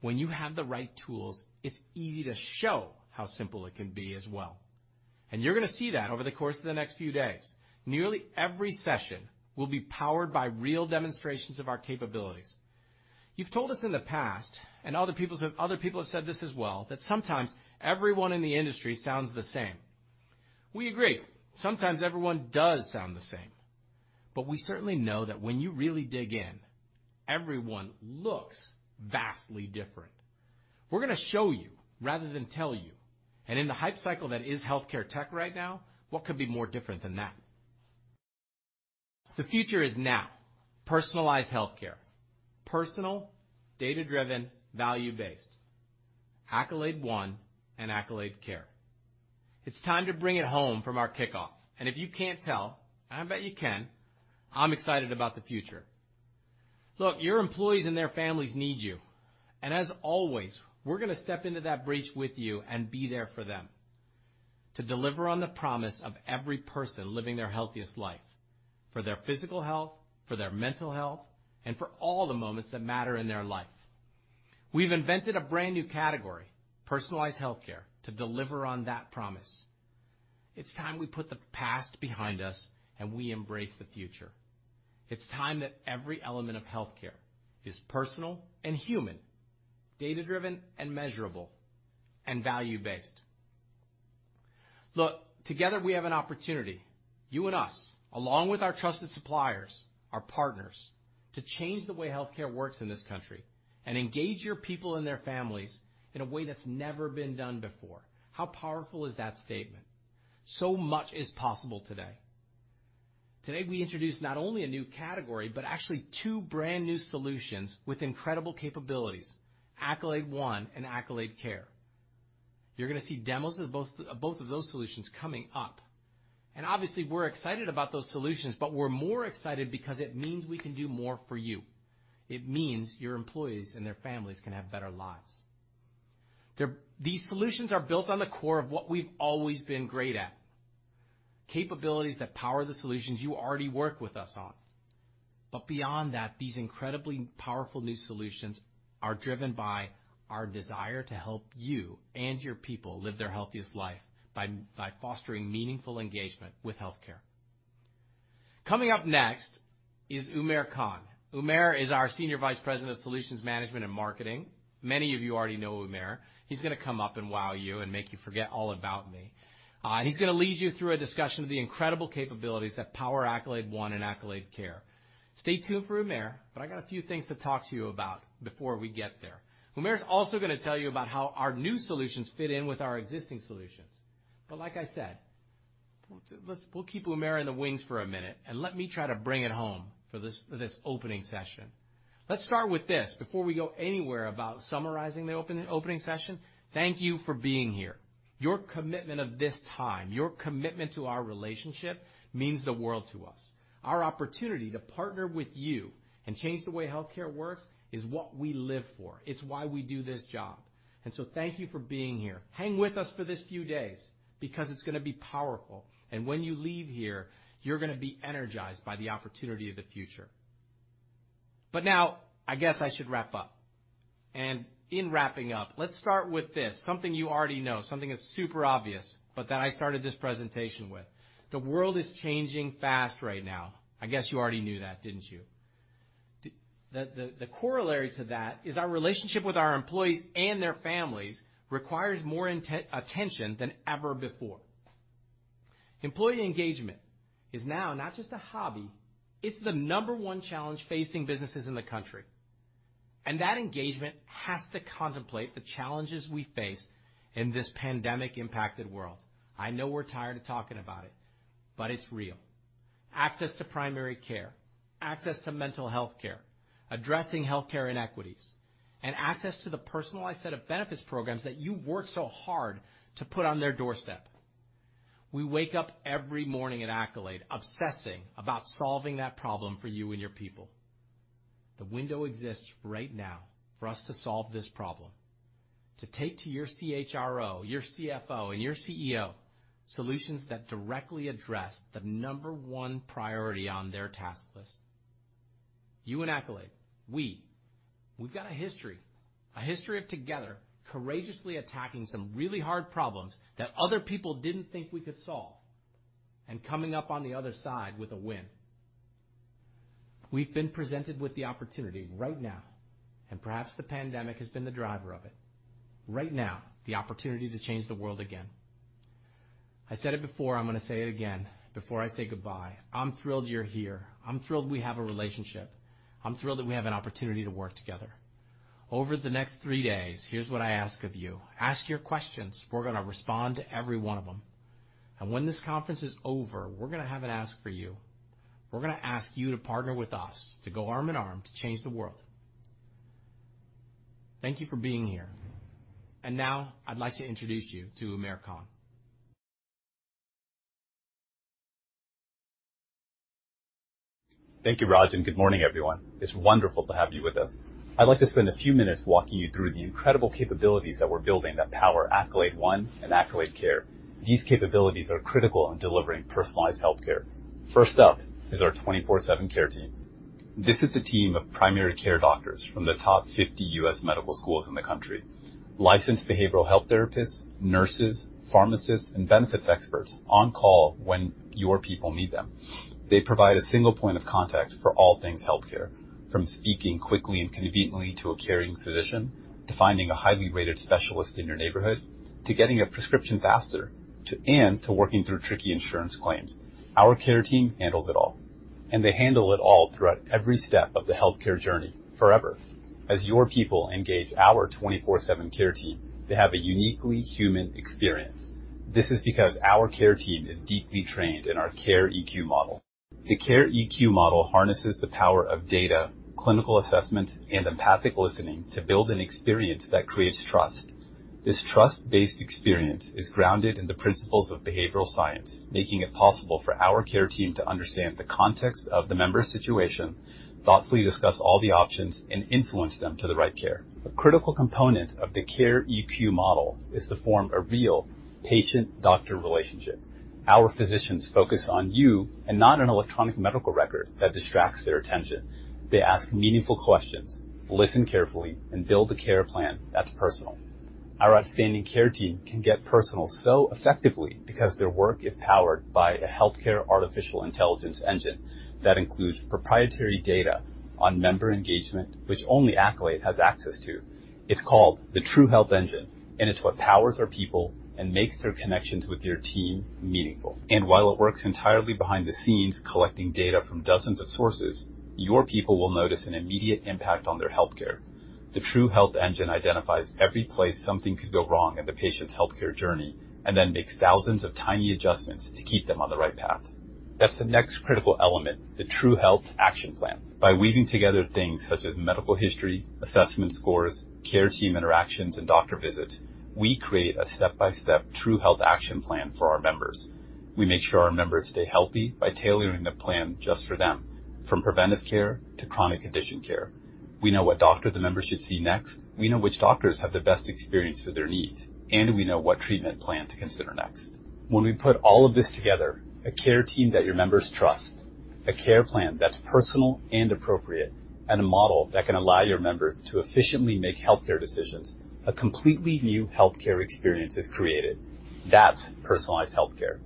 When you have the right tools, it's easy to show how simple it can be as well. You're going to see that over the course of the next few days. Nearly every session will be powered by real demonstrations of our capabilities. You've told us in the past, and other people have said this as well, that sometimes everyone in the industry sounds the same. We agree. Sometimes everyone does sound the same. We certainly know that when you really dig in, everyone looks vastly different. We're going to show you rather than tell you. In the hype cycle that is healthcare tech right now, what could be more different than that? The future is now. Personalized Healthcare, personal, data-driven, value-based, Accolade One and Accolade Care. It's time to bring it home from our kickoff. If you can't tell, I bet you can, I'm excited about the future. Look, your employees and their families need you. As always, we're going to step into that breach with you and be there for them to deliver on the promise of every person living their healthiest life, for their physical health, for their mental health, and for all the moments that matter in their life. We've invented a brand-new category, Personalized Healthcare, to deliver on that promise. It's time we put the past behind us, and we embrace the future. It's time that every element of healthcare is personal and human, data-driven and measurable, and value-based. Look, together we have an opportunity, you and us, along with our trusted suppliers, our partners, to change the way healthcare works in this country and engage your people and their families in a way that's never been done before. How powerful is that statement. Much is possible today. Today, we introduced not only a new category, but actually two brand new solutions with incredible capabilities, Accolade One and Accolade Care. You're going to see demos of both of those solutions coming up. Obviously, we're excited about those solutions, we're more excited because it means we can do more for you. It means your employees and their families can have better lives. These solutions are built on the core of what we've always been great at, capabilities that power the solutions you already work with us on. Beyond that, these incredibly powerful new solutions are driven by our desire to help you and your people live their healthiest life by fostering meaningful engagement with healthcare. Coming up next is Umair Khan. Umair is our Senior Vice President of Solutions Management and Marketing. Many of you already know Umair. He's going to come up and wow you and make you forget all about me. He's going to lead you through a discussion of the incredible capabilities that power Accolade One and Accolade Care. Stay tuned for Umair, but I got a few things to talk to you about before we get there. Umair is also going to tell you about how our new solutions fit in with our existing solutions. Like I said, we'll keep Umair in the wings for a minute, and let me try to bring it home for this opening session. Let's start with this before we go anywhere about summarizing the opening session. Thank you for being here. Your commitment of this time, your commitment to our relationship means the world to us. Our opportunity to partner with you and change the way healthcare works is what we live for. It's why we do this job. Thank you for being here. Hang with us for this few days because it's going to be powerful. When you leave here, you're going to be energized by the opportunity of the future. Now, I guess I should wrap up. In wrapping up, let's start with this, something you already know, something that's super obvious, but that I started this presentation with. The world is changing fast right now. I guess you already knew that, didn't you? The corollary to that is our relationship with our employees and their families requires more attention than ever before. Employee engagement is now not just a hobby, it's the number one challenge facing businesses in the country, and that engagement has to contemplate the challenges we face in this pandemic-impacted world. I know we're tired of talking about it, but it's real. Access to primary care, access to mental health care, addressing healthcare inequities, and access to the personalized set of benefits programs that you've worked so hard to put on their doorstep. We wake up every morning at Accolade obsessing about solving that problem for you and your people. The window exists right now for us to solve this problem, to take to your CHRO, your CFO, and your CEO solutions that directly address the number one priority on their task list. You and Accolade, we've got a history of together courageously attacking some really hard problems that other people didn't think we could solve and coming up on the other side with a win. We've been presented with the opportunity right now, perhaps the pandemic has been the driver of it. Right now, the opportunity to change the world again. I said it before, I'm going to say it again before I say goodbye. I'm thrilled you're here. I'm thrilled we have a relationship. I'm thrilled that we have an opportunity to work together. Over the next three days, here's what I ask of you. Ask your questions. We're going to respond to every one of them. When this conference is over, we're going to have an ask for you. We're going to ask you to partner with us, to go arm in arm to change the world. Thank you for being here. Now I'd like to introduce you to Umair Khan. Thank you, Raj, and good morning, everyone. It's wonderful to have you with us. I'd like to spend a few minutes walking you through the incredible capabilities that we're building that power Accolade One and Accolade Care. These capabilities are critical in delivering Personalized Healthcare. First up is our 24/7 care team. This is a team of primary care doctors from the top 50 U.S. medical schools in the country, licensed behavioral health therapists, nurses, pharmacists, and benefits experts on call when your people need them. They provide a single point of contact for all things healthcare. From speaking quickly and conveniently to a caring physician, to finding a highly rated specialist in your neighborhood, to getting a prescription faster, and to working through tricky insurance claims. Our care team handles it all, and they handle it all throughout every step of the healthcare journey, forever. As your people engage our 24/7 care team, they have a uniquely human experience. This is because our care team is deeply trained in our Care EQ model. The Care EQ model harnesses the power of data, clinical assessment, and empathic listening to build an experience that creates trust. This trust-based experience is grounded in the principles of behavioral science, making it possible for our care team to understand the context of the member's situation, thoughtfully discuss all the options, and influence them to the right care. A critical component of the Care EQ model is to form a real patient-doctor relationship. Our physicians focus on you and not an electronic medical record that distracts their attention. They ask meaningful questions, listen carefully, and build a care plan that's personal. Our outstanding care team can get personal so effectively because their work is powered by a healthcare artificial intelligence engine that includes proprietary data on member engagement, which only Accolade has access to. It's called the True Health Engine. It's what powers our people and makes their connections with your team meaningful. While it works entirely behind the scenes, collecting data from dozens of sources, your people will notice an immediate impact on their healthcare. The True Health Engine identifies every place something could go wrong in the patient's healthcare journey and then makes thousands of tiny adjustments to keep them on the right path. That's the next critical element, the True Health Action Plan. By weaving together things such as medical history, assessment scores, care team interactions, and doctor visits, we create a step-by-step True Health Action Plan for our members. We make sure our members stay healthy by tailoring the plan just for them, from preventive care to chronic condition care. We know what doctor the member should see next. We know which doctors have the best experience for their needs, and we know what treatment plan to consider next. When we put all of this together, a care team that your members trust, a care plan that's personal and appropriate, and a model that can allow your members to efficiently make healthcare decisions, a completely new healthcare experience is created. That's Personalized Healthcare,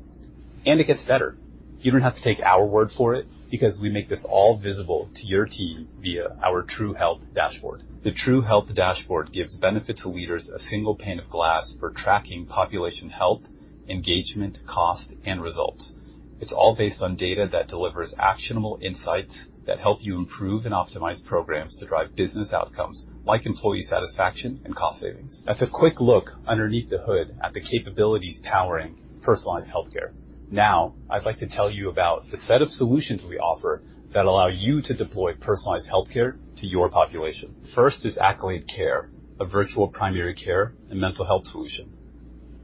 and it gets better. You don't have to take our word for it, because we make this all visible to your team via our True Health Dashboard. The True Health Dashboard gives benefits leaders a single pane of glass for tracking population health, engagement, cost, and results. It's all based on data that delivers actionable insights that help you improve and optimize programs to drive business outcomes like employee satisfaction and cost savings. That's a quick look underneath the hood at the capabilities powering Personalized Healthcare. Now, I'd like to tell you about the set of solutions we offer that allow you to deploy Personalized Healthcare to your population. First is Accolade Care, a virtual primary care and mental health solution.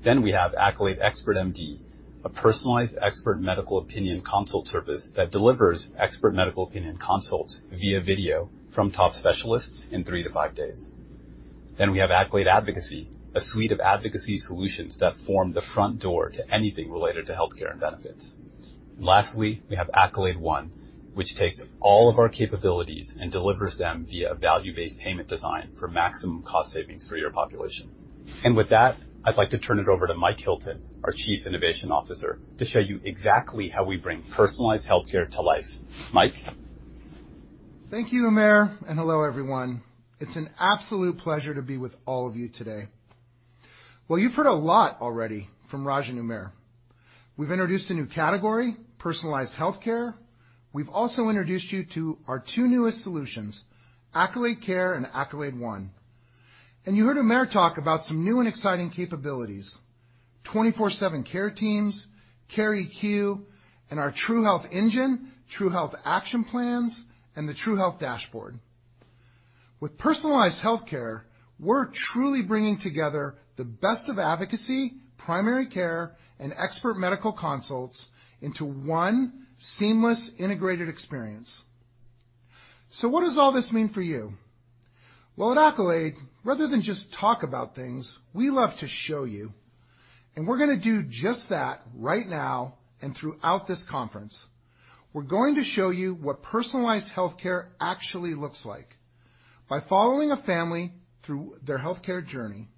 We have Accolade Expert MD, a personalized expert medical opinion consult service that delivers expert medical opinion consults via video from top specialists in three to five days. We have Accolade Advocacy, a suite of advocacy solutions that form the front door to anything related to healthcare and benefits. Lastly, we have Accolade One, which takes all of our capabilities and delivers them via value-based payment design for maximum cost savings for your population. With that, I'd like to turn it over to Mike Hilton, our Chief Innovation Officer, to show you exactly how we bring Personalized Healthcare to life. Mike? Thank you, Umair, and hello, everyone. It's an absolute pleasure to be with all of you today. Well, you've heard a lot already from Raj and Umair. We've introduced a new category, Personalized Healthcare. We've also introduced you to our two newest solutions, Accolade Care and Accolade One. You heard Umair talk about some new and exciting capabilities, 24/7 care teams, Care EQ, and our True Health Engine, True Health Action Plans, and the True Health Dashboard. With Personalized Healthcare, we're truly bringing together the best of advocacy, primary care, and expert medical consults into one seamless, integrated experience. What does all this mean for you? Well, at Accolade, rather than just talk about things, we love to show you, and we're going to do just that right now and throughout this conference. We're going to show you what Personalized Healthcare actually looks like by following a family through their healthcare journey.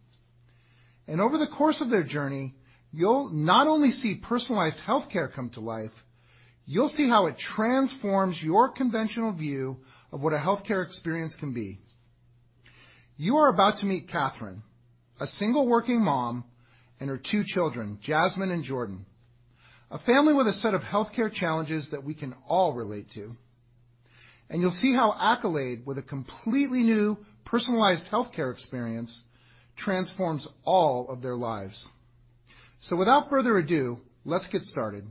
Over the course of their journey, you'll not only see Personalized Healthcare come to life, you'll see how it transforms your conventional view of what a healthcare experience can be. You are about to meet Katherine, a single working mom, and her two children, Jasmine and Jordan, a family with a set of healthcare challenges that we can all relate to. You'll see how Accolade, with a completely new Personalized Healthcare experience, transforms all of their lives. Without further ado, let's get started.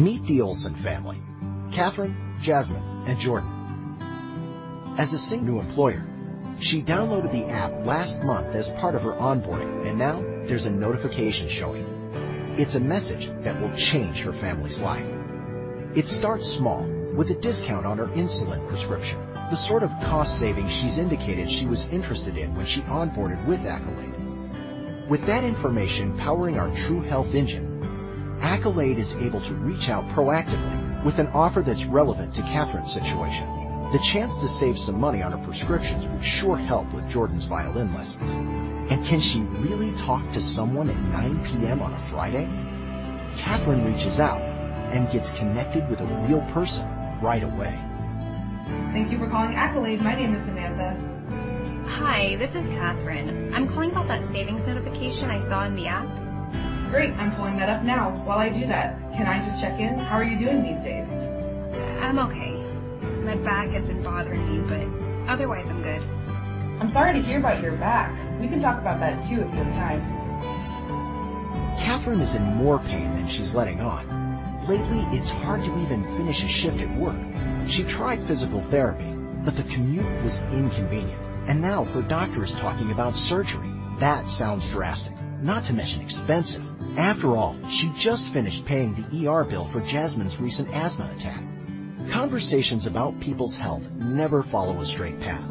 Meet the Olsen family, Katherine, Jasmine, and Jordan. As a single new employer, she downloaded the app last month as part of her onboarding, and now there's a notification showing. It's a message that will change her family's life. It starts small, with a discount on her insulin prescription, the sort of cost savings she's indicated she was interested in when she onboarded with Accolade. With that information powering our True Health Engine, Accolade is able to reach out proactively with an offer that's relevant to Katherine's situation. The chance to save some money on her prescriptions would sure help with Jordan's violin lessons. Can she really talk to someone at 9:00 P.M. on a Friday? Katherine reaches out and gets connected with a real person right away. Thank you for calling Accolade. My name is Samantha. Hi, this is Katherine. I'm calling about that savings notification I saw in the app. Great. I'm pulling that up now. While I do that, can I just check in? How are you doing these days? I'm okay. My back has been bothering me, but otherwise I'm good. I'm sorry to hear about your back. We can talk about that too if you have time. Katherine is in more pain than she's letting on. Lately, it's hard to even finish a shift at work. She tried physical therapy, but the commute was inconvenient, and now her doctor is talking about surgery. That sounds drastic, not to mention expensive. After all, she just finished paying the ER bill for Jasmine's recent asthma attack. Conversations about people's health never follow a straight path.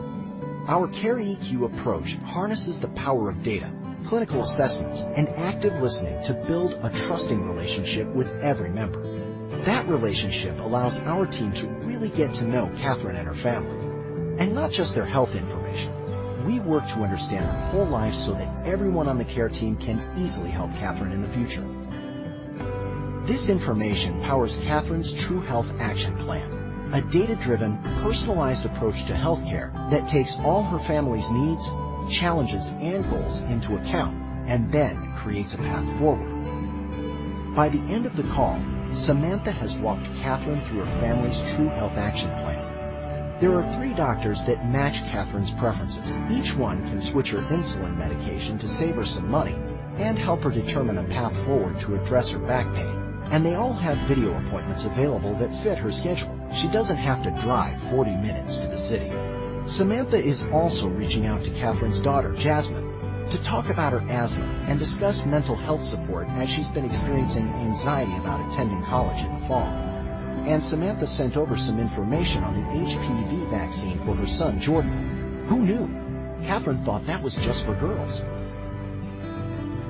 Our Care EQ approach harnesses the power of data, clinical assessments, and active listening to build a trusting relationship with every member. That relationship allows our team to really get to know Katherine and her family, and not just their health information. We work to understand their whole lives so that everyone on the care team can easily help Katherine in the future. This information powers Katherine's True Health Action Plan, a data-driven, personalized approach to healthcare that takes all her family's needs, challenges, and goals into account and then creates a path forward. By the end of the call, Samantha has walked Katherine through her family's True Health Action Plan. There are three doctors that match Katherine's preferences. Each one can switch her insulin medication to save her some money and help her determine a path forward to address her back pain, and they all have video appointments available that fit her schedule. She doesn't have to drive 40 minutes to the city. Samantha is also reaching out to Katherine's daughter, Jasmine, to talk about her asthma and discuss mental health support as she's been experiencing anxiety about attending college in the fall. Samantha sent over some information on the HPV vaccine for her son, Jordan. Who knew. Katherine thought that was just for girls.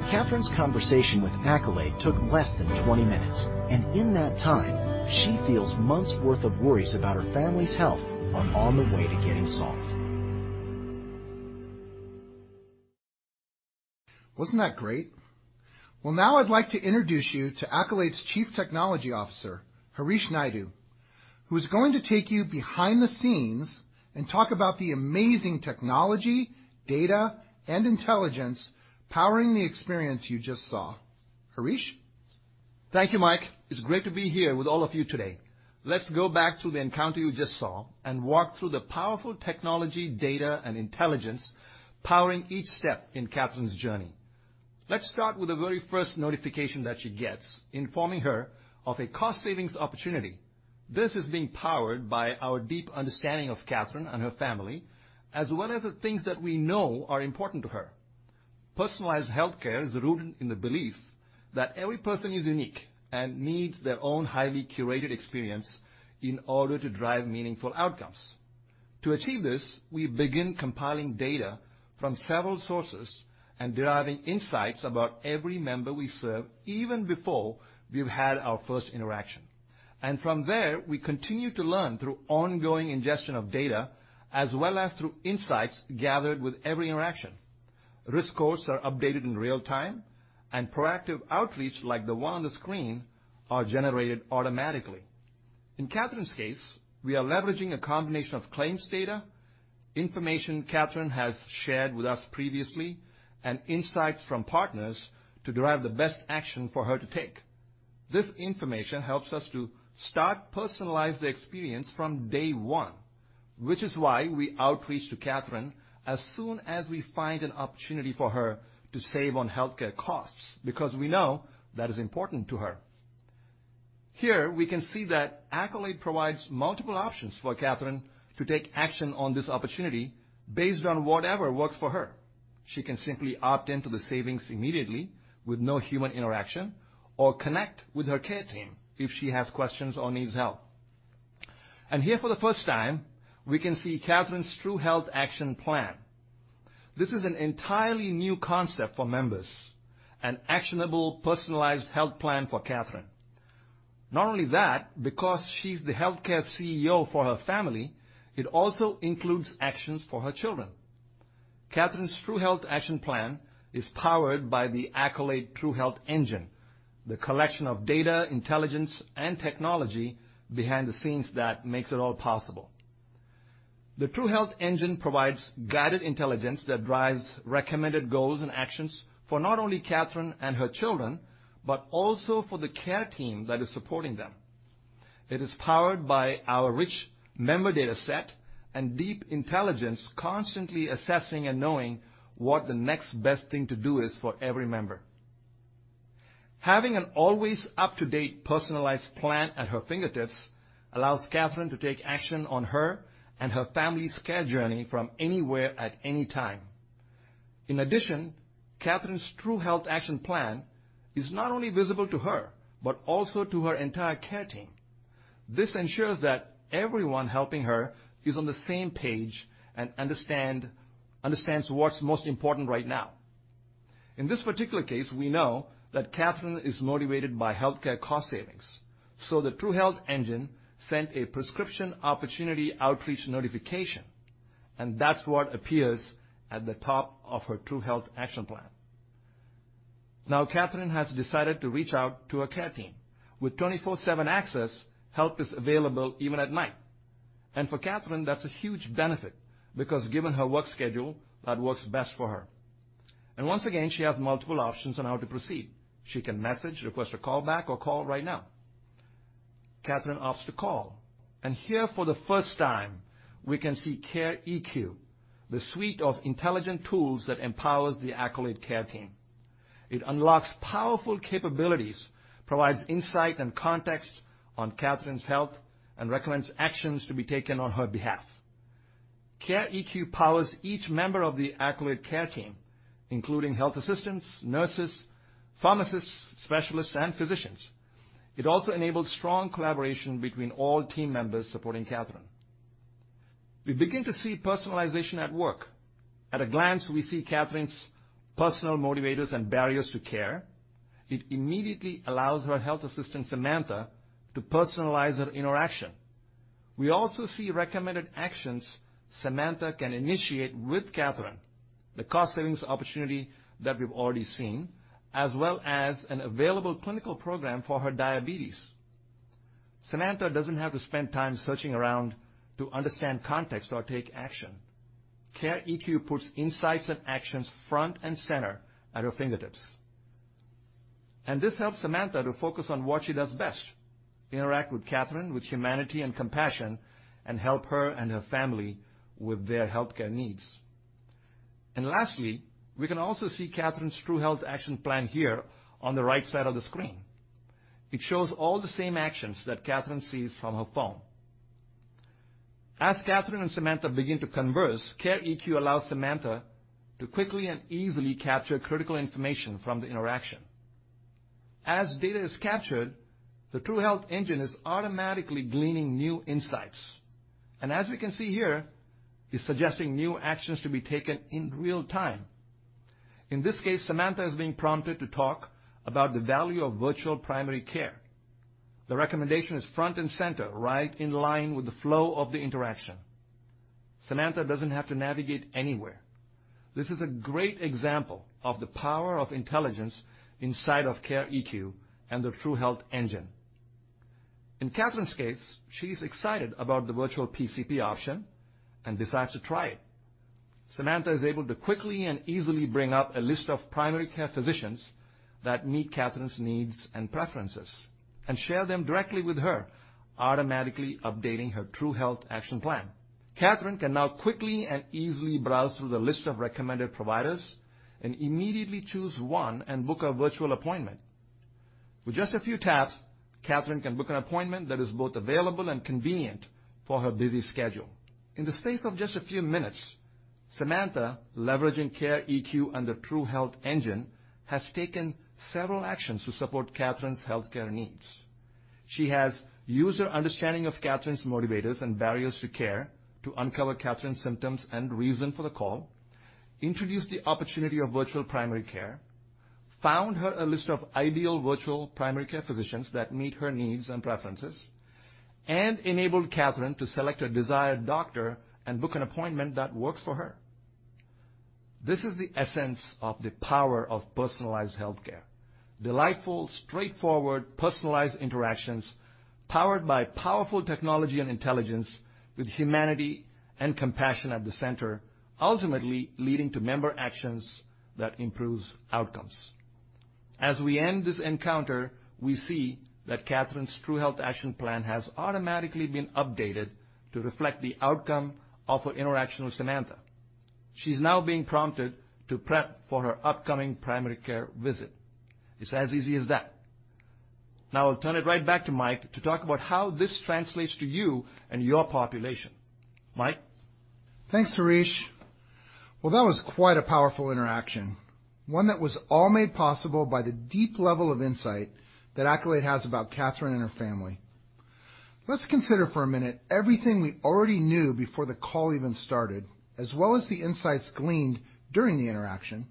Katherine's conversation with Accolade took less than 20 minutes, and in that time, she feels months' worth of worries about her family's health are on the way to getting solved. Wasn't that great? Now I'd like to introduce you to Accolade's Chief Technology Officer, Harish Naidu, who is going to take you behind the scenes and talk about the amazing technology, data, and intelligence powering the experience you just saw. Harish? Thank you, Mike. It's great to be here with all of you today. Let's go back to the encounter you just saw and walk through the powerful technology, data, and intelligence powering each step in Katherine's journey. Let's start with the very first notification that she gets, informing her of a cost savings opportunity. This is being powered by our deep understanding of Katherine and her family, as well as the things that we know are important to her. Personalized Healthcare is rooted in the belief that every person is unique and needs their own highly curated experience in order to drive meaningful outcomes. To achieve this, we begin compiling data from several sources and deriving insights about every member we serve, even before we've had our first interaction. From there, we continue to learn through ongoing ingestion of data as well as through insights gathered with every interaction. Risk scores are updated in real time, and proactive outreach like the one on the screen are generated automatically. In Katherine's case, we are leveraging a combination of claims data, information Katherine has shared with us previously, and insights from partners to derive the best action for her to take. This information helps us to start personalize the experience from day one, which is why we outreach to Katherine as soon as we find an opportunity for her to save on healthcare costs, because we know that is important to her. Here, we can see that Accolade provides multiple options for Katherine to take action on this opportunity based on whatever works for her. She can simply opt into the savings immediately with no human interaction or connect with her care team if she has questions or needs help. Here for the first time, we can see Katherine's True Health Action Plan. This is an entirely new concept for members, an actionable, personalized health plan for Katherine. Not only that, because she's the healthcare CEO for her family, it also includes actions for her children. Katherine's True Health Action Plan is powered by the Accolade True Health Engine, the collection of data, intelligence, and technology behind the scenes that makes it all possible. The True Health Engine provides guided intelligence that drives recommended goals and actions for not only Katherine and her children, but also for the care team that is supporting them. It is powered by our rich member data set and deep intelligence, constantly assessing and knowing what the next best thing to do is for every member. Having an always up-to-date personalized plan at her fingertips allows Katherine to take action on her and her family's care journey from anywhere at any time. In addition, Katherine's True Health Action Plan is not only visible to her, but also to her entire care team. This ensures that everyone helping her is on the same page and understands what's most important right now. In this particular case, we know that Katherine is motivated by healthcare cost savings. The True Health Engine sent a prescription opportunity outreach notification, and that's what appears at the top of her True Health Action Plan. Now, Katherine has decided to reach out to her care team. With 24/7 access, help is available even at night. For Katherine, that's a huge benefit because given her work schedule, that works best for her. Once again, she has multiple options on how to proceed. She can message, request a call back, or call right now. Katherine opts to call and here for the first time, we can see Care EQ, the suite of intelligent tools that empowers the Accolade care team. It unlocks powerful capabilities, provides insight and context on Katherine's health, and recommends actions to be taken on her behalf. Care EQ powers each member of the Accolade care team, including health assistants, nurses, pharmacists, specialists, and physicians. It also enables strong collaboration between all team members supporting Katherine. We begin to see personalization at work. At a glance, we see Katherine's personal motivators and barriers to care. It immediately allows her health assistant, Samantha, to personalize her interaction. We also see recommended actions Samantha can initiate with Katherine, the cost savings opportunity that we've already seen, as well as an available clinical program for her diabetes. Samantha doesn't have to spend time searching around to understand context or take action. Care EQ puts insights and actions front and center at her fingertips. This helps Samantha to focus on what she does best, interact with Katherine with humanity and compassion and help her and her family with their healthcare needs. Lastly, we can also see Katherine's True Health Action Plan here on the right side of the screen. It shows all the same actions that Katherine sees from her phone. As Katherine and Samantha begin to converse, Care EQ allows Samantha to quickly and easily capture critical information from the interaction. As data is captured, the True Health Engine is automatically gleaning new insights, and as we can see here, is suggesting new actions to be taken in real time. In this case, Samantha is being prompted to talk about the value of virtual primary care. The recommendation is front and center, right in line with the flow of the interaction. Samantha doesn't have to navigate anywhere. This is a great example of the power of intelligence inside of CareEQ and the True Health Engine. In Katherine's case, she's excited about the virtual PCP option and decides to try it. Samantha is able to quickly and easily bring up a list of primary care physicians that meet Katherine's needs and preferences and share them directly with her, automatically updating her True Health Action Plan. Katherine can now quickly and easily browse through the list of recommended providers and immediately choose one and book a virtual appointment. With just a few taps, Katherine can book an appointment that is both available and convenient for her busy schedule. In the space of just a few minutes, Samantha, leveraging Care EQ and the True Health Engine, has taken several actions to support Katherine healthcare needs. She has used her understanding of Katherine motivators and barriers to care to uncover Katherine symptoms and reason for the call, introduce the opportunity of virtual primary care, found her a list of ideal virtual primary care physicians that meet her needs and preferences, and enabled Katherine to select a desired doctor and book an appointment that works for her. This is the essence of the power of Personalized Healthcare. Delightful, straightforward, personalized interactions powered by powerful technology and intelligence with humanity and compassion at the center, ultimately leading to member actions that improves outcomes. As we end this encounter, we see that Katherine Olsen's True Health Action Plan has automatically been updated to reflect the outcome of her interaction with Samantha. She's now being prompted to prep for her upcoming primary care visit. It's as easy as that. Now, I'll turn it right back to Mike to talk about how this translates to you and your population. Mike? Thanks, Harish. Well, that was quite a powerful interaction. One that was all made possible by the deep level of insight that Accolade has about Katherine and her family. Let's consider for a minute everything we already knew before the call even started, as well as the insights gleaned during the interaction.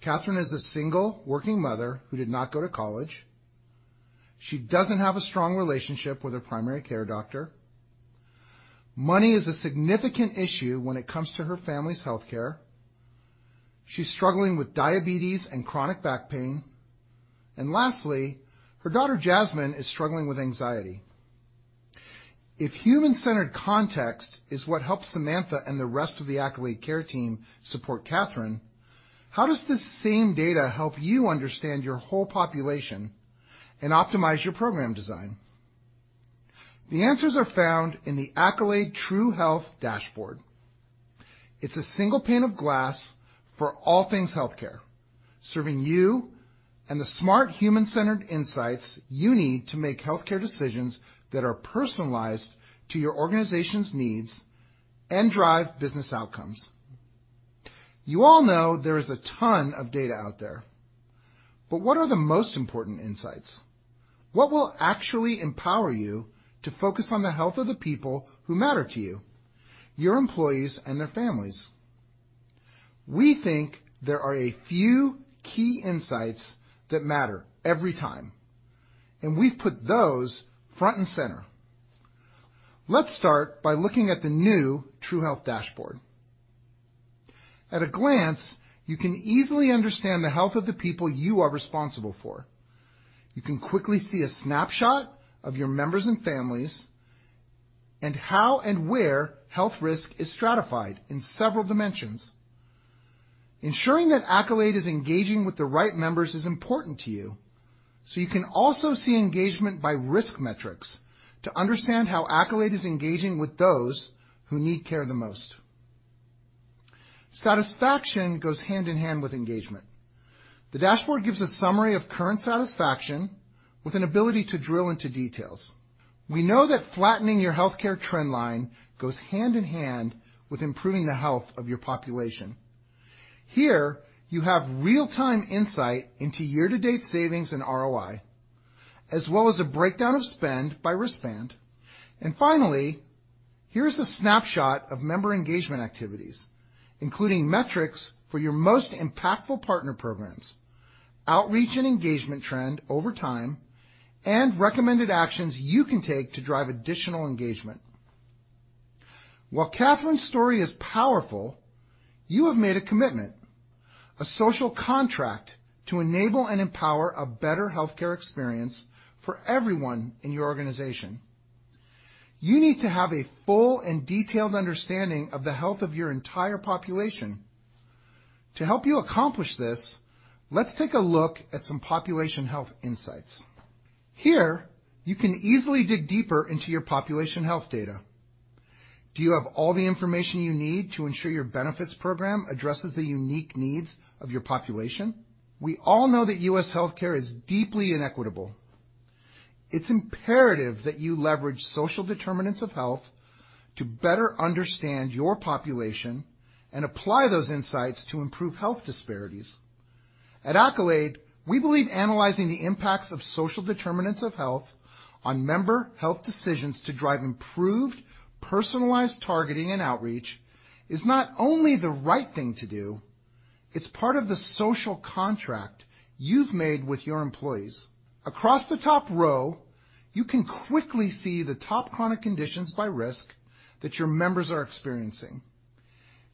Katherine is a single working mother who did not go to college. She doesn't have a strong relationship with her primary care doctor. Money is a significant issue when it comes to her family's healthcare. She's struggling with diabetes and chronic back pain. Lastly, her daughter, Jasmine, is struggling with anxiety. If human-centered context is what helps Samantha and the rest of the Accolade care team support Katherine, how does this same data help you understand your whole population and optimize your program design? The answers are found in the Accolade True Health Dashboard. It's a single pane of glass for all things healthcare, serving you and the smart human-centered insights you need to make healthcare decisions that are personalized to your organization's needs and drive business outcomes. You all know there is a ton of data out there. What are the most important insights? What will actually empower you to focus on the health of the people who matter to you, your employees, and their families? We think there are a few key insights that matter every time, and we've put those front and center. Let's start by looking at the new True Health Dashboard. At a glance, you can easily understand the health of the people you are responsible for. You can quickly see a snapshot of your members and families and how and where health risk is stratified in several dimensions. Ensuring that Accolade is engaging with the right members is important to you, so you can also see engagement by risk metrics to understand how Accolade is engaging with those who need care the most. Satisfaction goes hand in hand with engagement. The dashboard gives a summary of current satisfaction with an ability to drill into details. We know that flattening your healthcare trend line goes hand in hand with improving the health of your population. Here, you have real-time insight into year-to-date savings and ROI, as well as a breakdown of spend by risk band. Finally, here's a snapshot of member engagement activities, including metrics for your most impactful partner programs, outreach and engagement trend over time, and recommended actions you can take to drive additional engagement. While Katherine's story is powerful, you have made a commitment, a social contract to enable and empower a better healthcare experience for everyone in your organization. You need to have a full and detailed understanding of the health of your entire population. To help you accomplish this, let's take a look at some population health insights. Here, you can easily dig deeper into your population health data. Do you have all the information you need to ensure your benefits program addresses the unique needs of your population? We all know that U.S. healthcare is deeply inequitable. It's imperative that you leverage social determinants of health to better understand your population and apply those insights to improve health disparities. At Accolade, we believe analyzing the impacts of social determinants of health on member health decisions to drive improved personalized targeting and outreach is not only the right thing to do. It's part of the social contract you've made with your employees. Across the top row, you can quickly see the top chronic conditions by risk that your members are experiencing.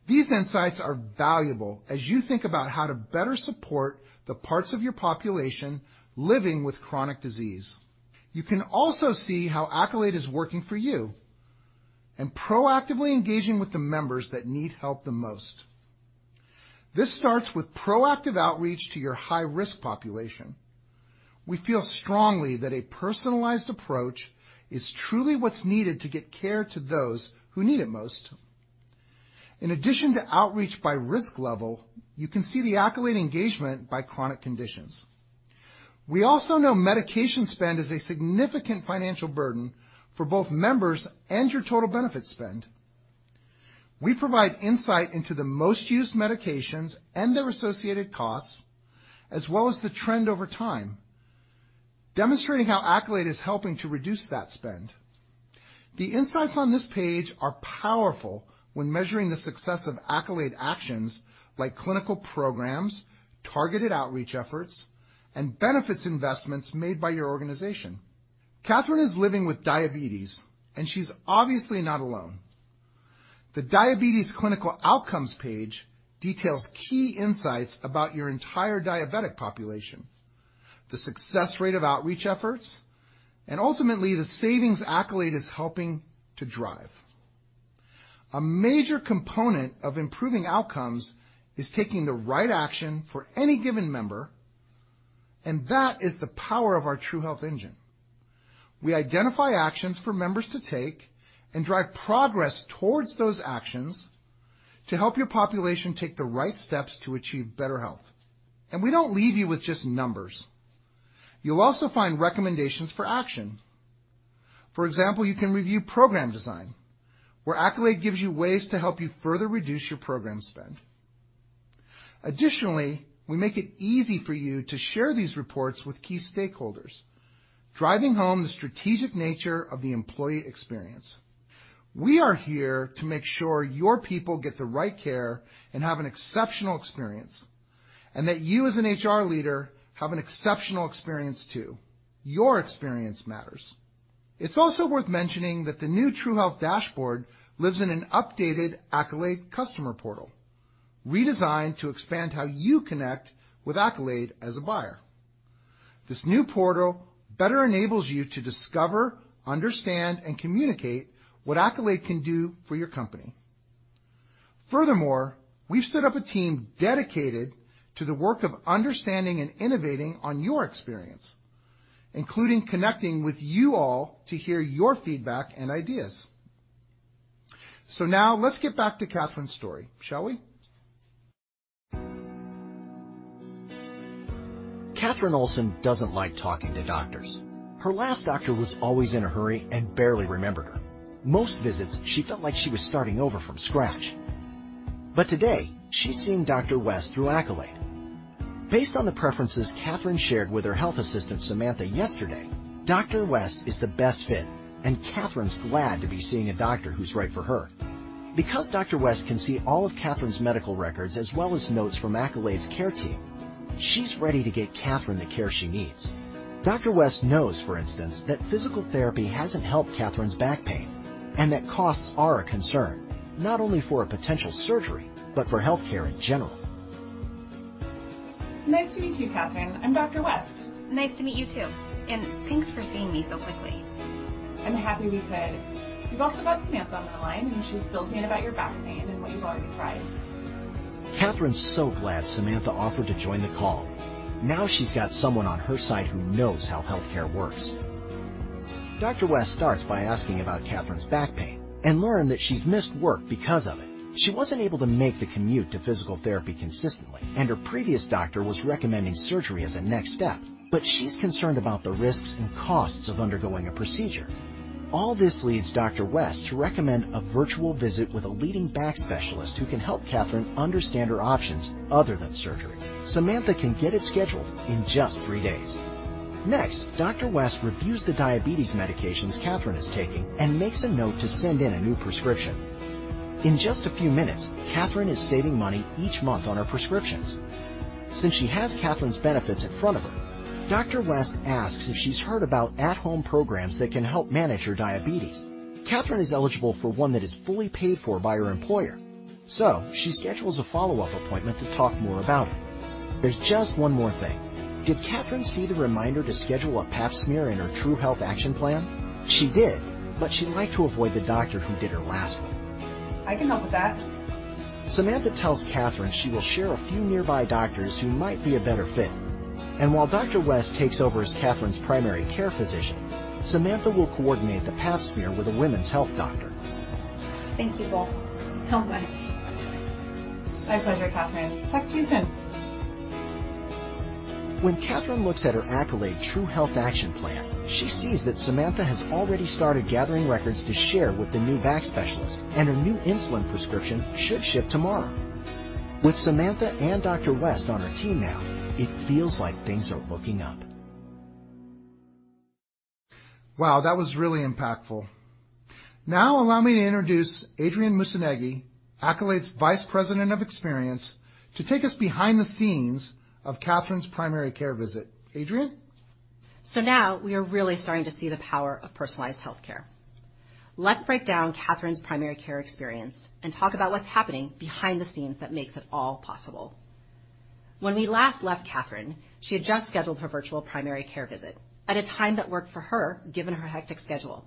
These insights are valuable as you think about how to better support the parts of your population living with chronic disease. You can also see how Accolade is working for you and proactively engaging with the members that need help the most. This starts with proactive outreach to your high-risk population. We feel strongly that a personalized approach is truly what's needed to get care to those who need it most. In addition to outreach by risk level, you can see the Accolade engagement by chronic conditions. We also know medication spend is a significant financial burden for both members and your total benefit spend. We provide insight into the most used medications and their associated costs, as well as the trend over time, demonstrating how Accolade is helping to reduce that spend. The insights on this page are powerful when measuring the success of Accolade actions like clinical programs, targeted outreach efforts, and benefits investments made by your organization. Katherine is living with diabetes, and she's obviously not alone. The Diabetes Clinical Outcomes page details key insights about your entire diabetic population, the success rate of outreach efforts, and ultimately, the savings Accolade is helping to drive. A major component of improving outcomes is taking the right action for any given member, and that is the power of our True Health Engine. We identify actions for members to take and drive progress towards those actions to help your population take the right steps to achieve better health. We don't leave you with just numbers. You'll also find recommendations for action. For example, you can review program design, where Accolade gives you ways to help you further reduce your program spend. Additionally, we make it easy for you to share these reports with key stakeholders, driving home the strategic nature of the employee experience. We are here to make sure your people get the right care and have an exceptional experience, and that you as an HR leader have an exceptional experience too. Your experience matters. It's also worth mentioning that the new True Health Dashboard lives in an updated Accolade customer portal, redesigned to expand how you connect with Accolade as a buyer. This new portal better enables you to discover, understand, and communicate what Accolade can do for your company. Furthermore, we've set up a team dedicated to the work of understanding and innovating on your experience, including connecting with you all to hear your feedback and ideas. Now let's get back to Katherine story, shall we? Katherine doesn't like talking to doctors. Her last doctor was always in a hurry and barely remembered her. Most visits, she felt like she was starting over from scratch. Today, she's seeing Dr. West through Accolade. Based on the preferences Katherine shared with her Health Assistant, Samantha, yesterday, Dr. West is the best fit, and Katherine's glad to be seeing a doctor who's right for her. Because Dr. West can see all of Katherine's medical records as well as notes from Accolade's care team, she's ready to get Katherine the care she needs. Dr. West knows, for instance, that physical therapy hasn't helped Katherine's back pain and that costs are a concern, not only for a potential surgery, but for healthcare in general. Nice to meet you, Katherine. I'm Dr. West. Nice to meet you too. Thanks for seeing me so quickly. I'm happy we could. We've also got Samantha on the line, and she's filled me in about your back pain and what you've already tried. Katherine so glad Samantha offered to join the call. Now she's got someone on her side who knows how healthcare works. Dr. West starts by asking about Katherine back pain and learn that she's missed work because of it. She wasn't able to make the commute to physical therapy consistently, and her previous doctor was recommending surgery as a next step, but she's concerned about the risks and costs of undergoing a procedure. All this leads Dr. West to recommend a virtual visit with a leading back specialist who can help Katherine understand her options other than surgery. Samantha can get it scheduled in just three days. Next, Dr. West reviews the diabetes medications Katherine Olsen is taking and makes a note to send in a new prescription. In just a few minutes, Katherine is saving money each month on her prescriptions. Since she has Katherine benefits in front of her, Dr. West asks if she's heard about at-home programs that can help manage her diabetes. Katherine is eligible for one that is fully paid for by her employer. She schedules a follow-up appointment to talk more about it. There's just one more thing. Did Katherine see the reminder to schedule a Pap smear in her True Health Action Plan? She did, but she'd like to avoid the doctor who did her last one. I can help with that. Samantha tells Katherine she will share a few nearby doctors who might be a better fit. While Dr. West takes over as Katherine's primary care physician, Samantha will coordinate the Pap smear with a women's health doctor. Thank you both so much. My pleasure, Katherine. Talk to you soon. When Katherine looks at her Accolade True Health Action Plan, she sees that Samantha has already started gathering records to share with the new back specialist, and her new insulin prescription should ship tomorrow. With Samantha and Dr. West on her team now, it feels like things are looking up. Wow, that was really impactful. Now allow me to introduce Adriane Musuneggi, Accolade's Vice President of Experience, to take us behind the scenes of Katherine's primary care visit. Adriane. Now we are really starting to see the power of Personalized Healthcare. Let's break down Katherine's primary care experience and talk about what's happening behind the scenes that makes it all possible. When we last left Katherine, she had just scheduled her virtual primary care visit at a time that worked for her, given her hectic schedule.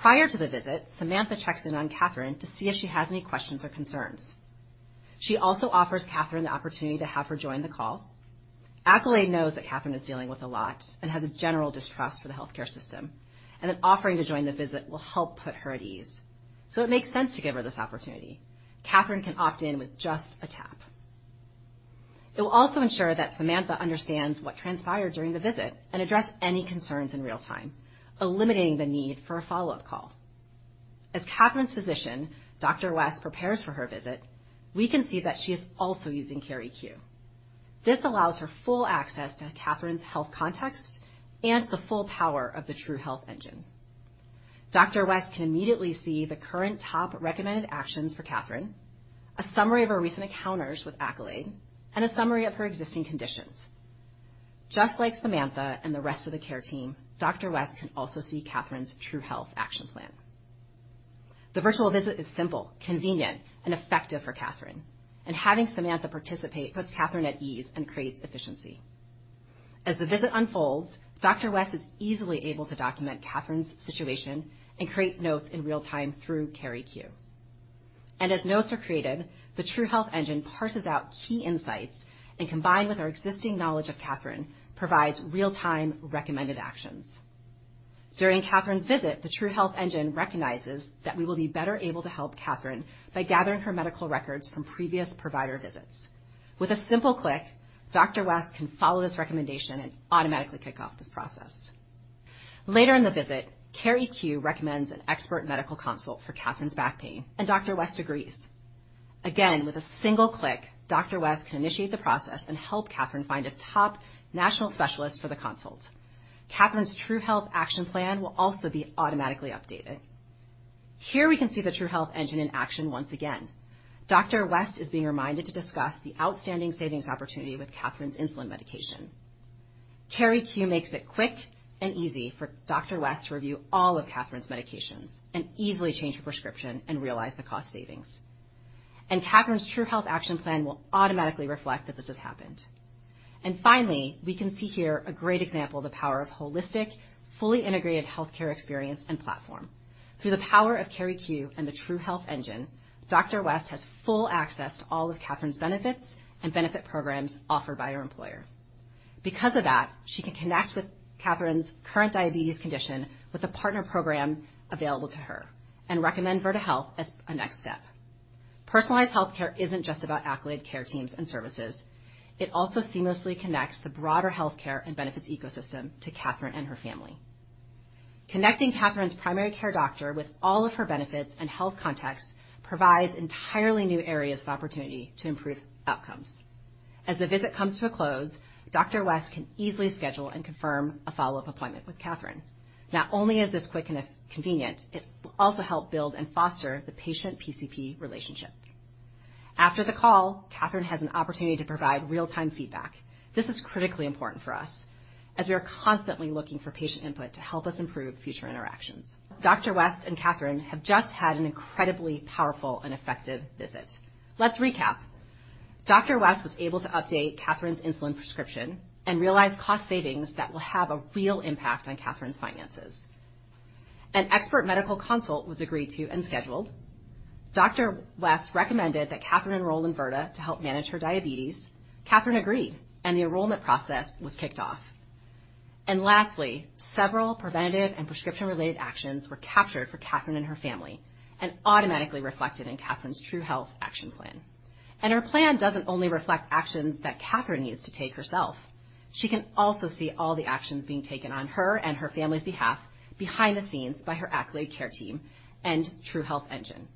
Prior to the visit, Samantha checks in on Katherine to see if she has any questions or concerns. She also offers Katherine the opportunity to have her join the call. Accolade knows that Katherine is dealing with a lot and has a general distrust for the healthcare system, and that offering to join the visit will help put her at ease. It makes sense to give her this opportunity. Katherine can opt in with just a tap. It will also ensure that Samantha understands what transpired during the visit and address any concerns in real time, eliminating the need for a follow-up call. As Katherine's physician, Dr. West, prepares for her visit, we can see that she is also using Care EQ. This allows her full access to Katherine's health context and the full power of the True Health Engine. Dr. West can immediately see the current top recommended actions for Katherine, a summary of her recent encounters with Accolade, and a summary of her existing conditions. Just like Samantha and the rest of the care team, Dr. West can also see Katherine's True Health action plan. The virtual visit is simple, convenient, and effective for Katherine. Having Samantha participate puts Katherine at ease and creates efficiency. As the visit unfolds, Dr. West is easily able to document Katherine's situation and create notes in real time through Care EQ. As notes are created, the True Health Engine parses out key insights and, combined with our existing knowledge of Katherine, provides real-time recommended actions. During Katherine's visit, the True Health Engine recognizes that we will be better able to help Katherine by gathering her medical records from previous provider visits. With a simple click, Dr. West can follow this recommendation and automatically kick off this process. Later in the visit, Care EQ recommends an expert medical consult for Katherine's back pain, and Dr. West agrees. Again, with a single click, Dr. West can initiate the process and help Katherine find a top national specialist for the consult. Katherine's True Health Action Plan will also be automatically updated. Here we can see the True Health Engine in action once again. Dr. West is being reminded to discuss the outstanding savings opportunity with Katherine's insulin medication. CareEQ makes it quick and easy for Dr. West to review all of Katherine's medications and easily change her prescription and realize the cost savings. Katherine's True Health Action Plan will automatically reflect that this has happened. Finally, we can see here a great example of the power of holistic, fully integrated healthcare experience and platform. Through the power of CareEQ and the True Health Engine, Dr. West has full access to all of Katherine's benefits and benefit programs offered by her employer. Because of that, she can connect with Katherine's current diabetes condition with a partner program available to her and recommend Virta Health as a next step. Personalized Healthcare isn't just about Accolade care teams and services. It also seamlessly connects the broader healthcare and benefits ecosystem to Katherine and her family. Connecting Katherine's primary care doctor with all of her benefits and health context provides entirely new areas of opportunity to improve outcomes. As the visit comes to a close, Dr. West can easily schedule and confirm a follow-up appointment with Katherine. Not only is this quick and convenient, it will also help build and foster the patient-PCP relationship. After the call, Katherine has an opportunity to provide real-time feedback. This is critically important for us, as we are constantly looking for patient input to help us improve future interactions. Dr. West and Katherine have just had an incredibly powerful and effective visit. Let's recap. Dr. West was able to update Katherine's insulin prescription and realize cost savings that will have a real impact on Katherine's finances. An expert medical consult was agreed to and scheduled. Dr. West recommended that Katherine enroll in Virta to help manage her diabetes. Katherine agreed, the enrollment process was kicked off. Lastly, several preventative and prescription-related actions were captured for Katherine and her family and automatically reflected in Katherine's True Health Action Plan. Her plan doesn't only reflect actions that Katherine needs to take herself. She can also see all the actions being taken on her and her family's behalf behind the scenes by her Accolade care team and True Health Engine.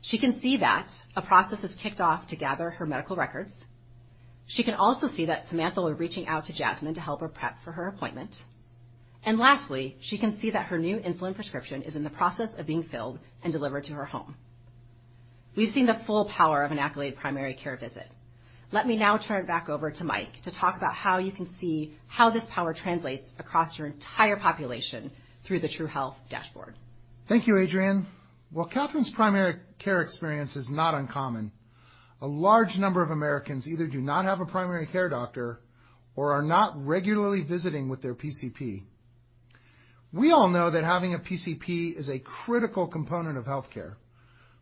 She can see that a process is kicked off to gather her medical records. She can also see that Samantha was reaching out to Jasmine to help her prep for her appointment. Lastly, she can see that her new insulin prescription is in the process of being filled and delivered to her home. We've seen the full power of an Accolade primary care visit. Let me now turn it back over to Mike to talk about how you can see how this power translates across your entire population through the True Health Dashboard. Thank you, Adriane. While Katherine's primary care experience is not uncommon, a large number of Americans either do not have a primary care doctor or are not regularly visiting with their PCP. We all know that having a PCP is a critical component of healthcare,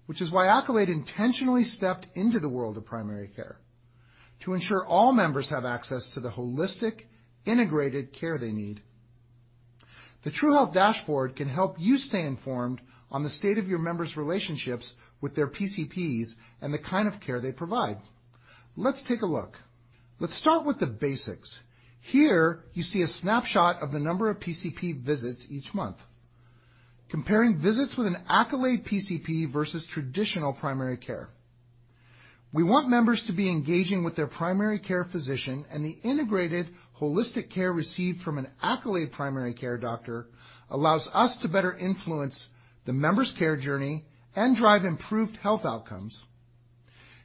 which is why Accolade intentionally stepped into the world of primary care to ensure all members have access to the holistic, integrated care they need. The True Health Dashboard can help you stay informed on the state of your members' relationships with their PCPs and the kind of care they provide. Let's take a look. Let's start with the basics. Here you see a snapshot of the number of PCP visits each month, comparing visits with an Accolade PCP versus traditional primary care. We want members to be engaging with their primary care physician, and the integrated holistic care received from an Accolade primary care doctor allows us to better influence the member's care journey and drive improved health outcomes.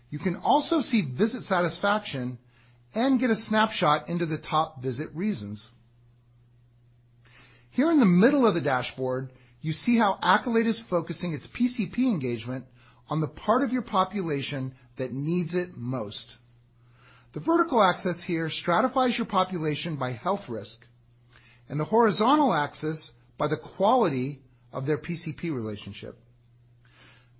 You can also see visit satisfaction and get a snapshot into the top visit reasons. Here in the middle of the dashboard, you see how Accolade is focusing its PCP engagement on the part of your population that needs it most. The vertical axis here stratifies your population by health risk, and the horizontal axis by the quality of their PCP relationship.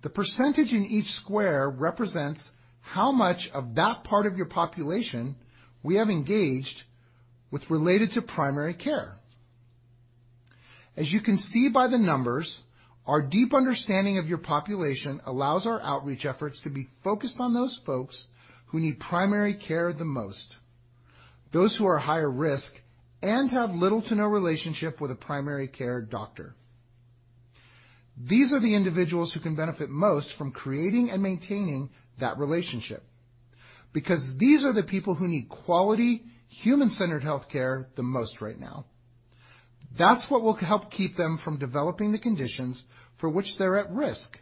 The percentage in each square represents how much of that part of your population we have engaged with related to primary care. As you can see by the numbers, our deep understanding of your population allows our outreach efforts to be focused on those folks who need primary care the most, those who are higher risk and have little to no relationship with a primary care doctor. These are the individuals who can benefit most from creating and maintaining that relationship, because these are the people who need quality, human-centered healthcare the most right now. That's what will help keep them from developing the conditions for which they're at risk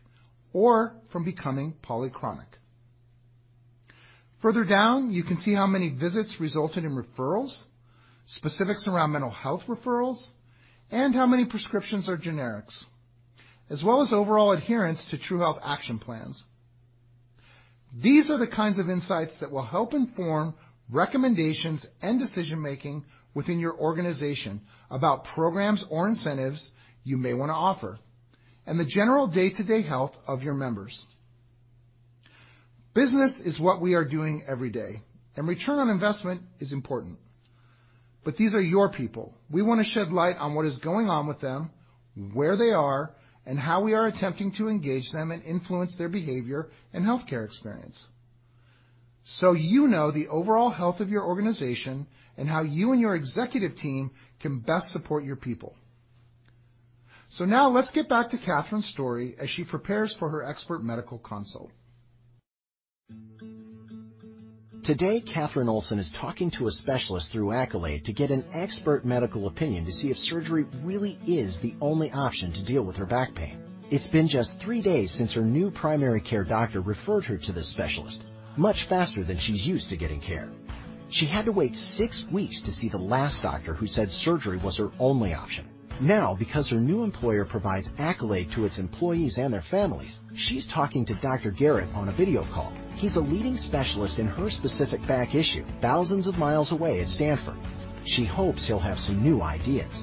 or from becoming polychronic. Further down, you can see how many visits resulted in referrals, specifics around mental health referrals, and how many prescriptions are generics, as well as overall adherence to True Health action plans. These are the kinds of insights that will help inform recommendations and decision-making within your organization about programs or incentives you may want to offer, and the general day-to-day health of your members. Business is what we are doing every day, return on investment is important. These are your people. We want to shed light on what is going on with them, where they are, and how we are attempting to engage them and influence their behavior and healthcare experience, so you know the overall health of your organization and how you and your executive team can best support your people. Now let's get back to Katherine's story as she prepares for her expert medical consult. Today, Katherine Olsen is talking to a specialist through Accolade to get an expert medical opinion to see if surgery really is the only option to deal with her back pain. It's been just three days since her new primary care doctor referred her to this specialist, much faster than she's used to getting care. She had to wait six weeks to see the last doctor who said surgery was her only option. Now, because her new employer provides Accolade to its employees and their families, she's talking to Dr. Garrett on a video call. He's a leading specialist in her specific back issue, thousands of miles away at Stanford. She hopes he'll have some new ideas.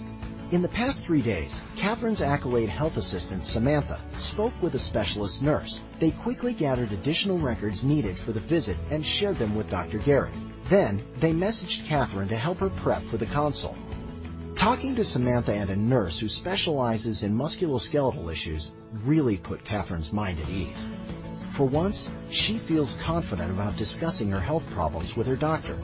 In the past three days, Katherine's Accolade Health Assistant, Samantha, spoke with a specialist nurse. They quickly gathered additional records needed for the visit and shared them with Dr. Garrett. They messaged Katherine to help her prep for the consult. Talking to Samantha and a nurse who specializes in musculoskeletal issues really put Katherine's mind at ease. For once, she feels confident about discussing her health problems with her doctor.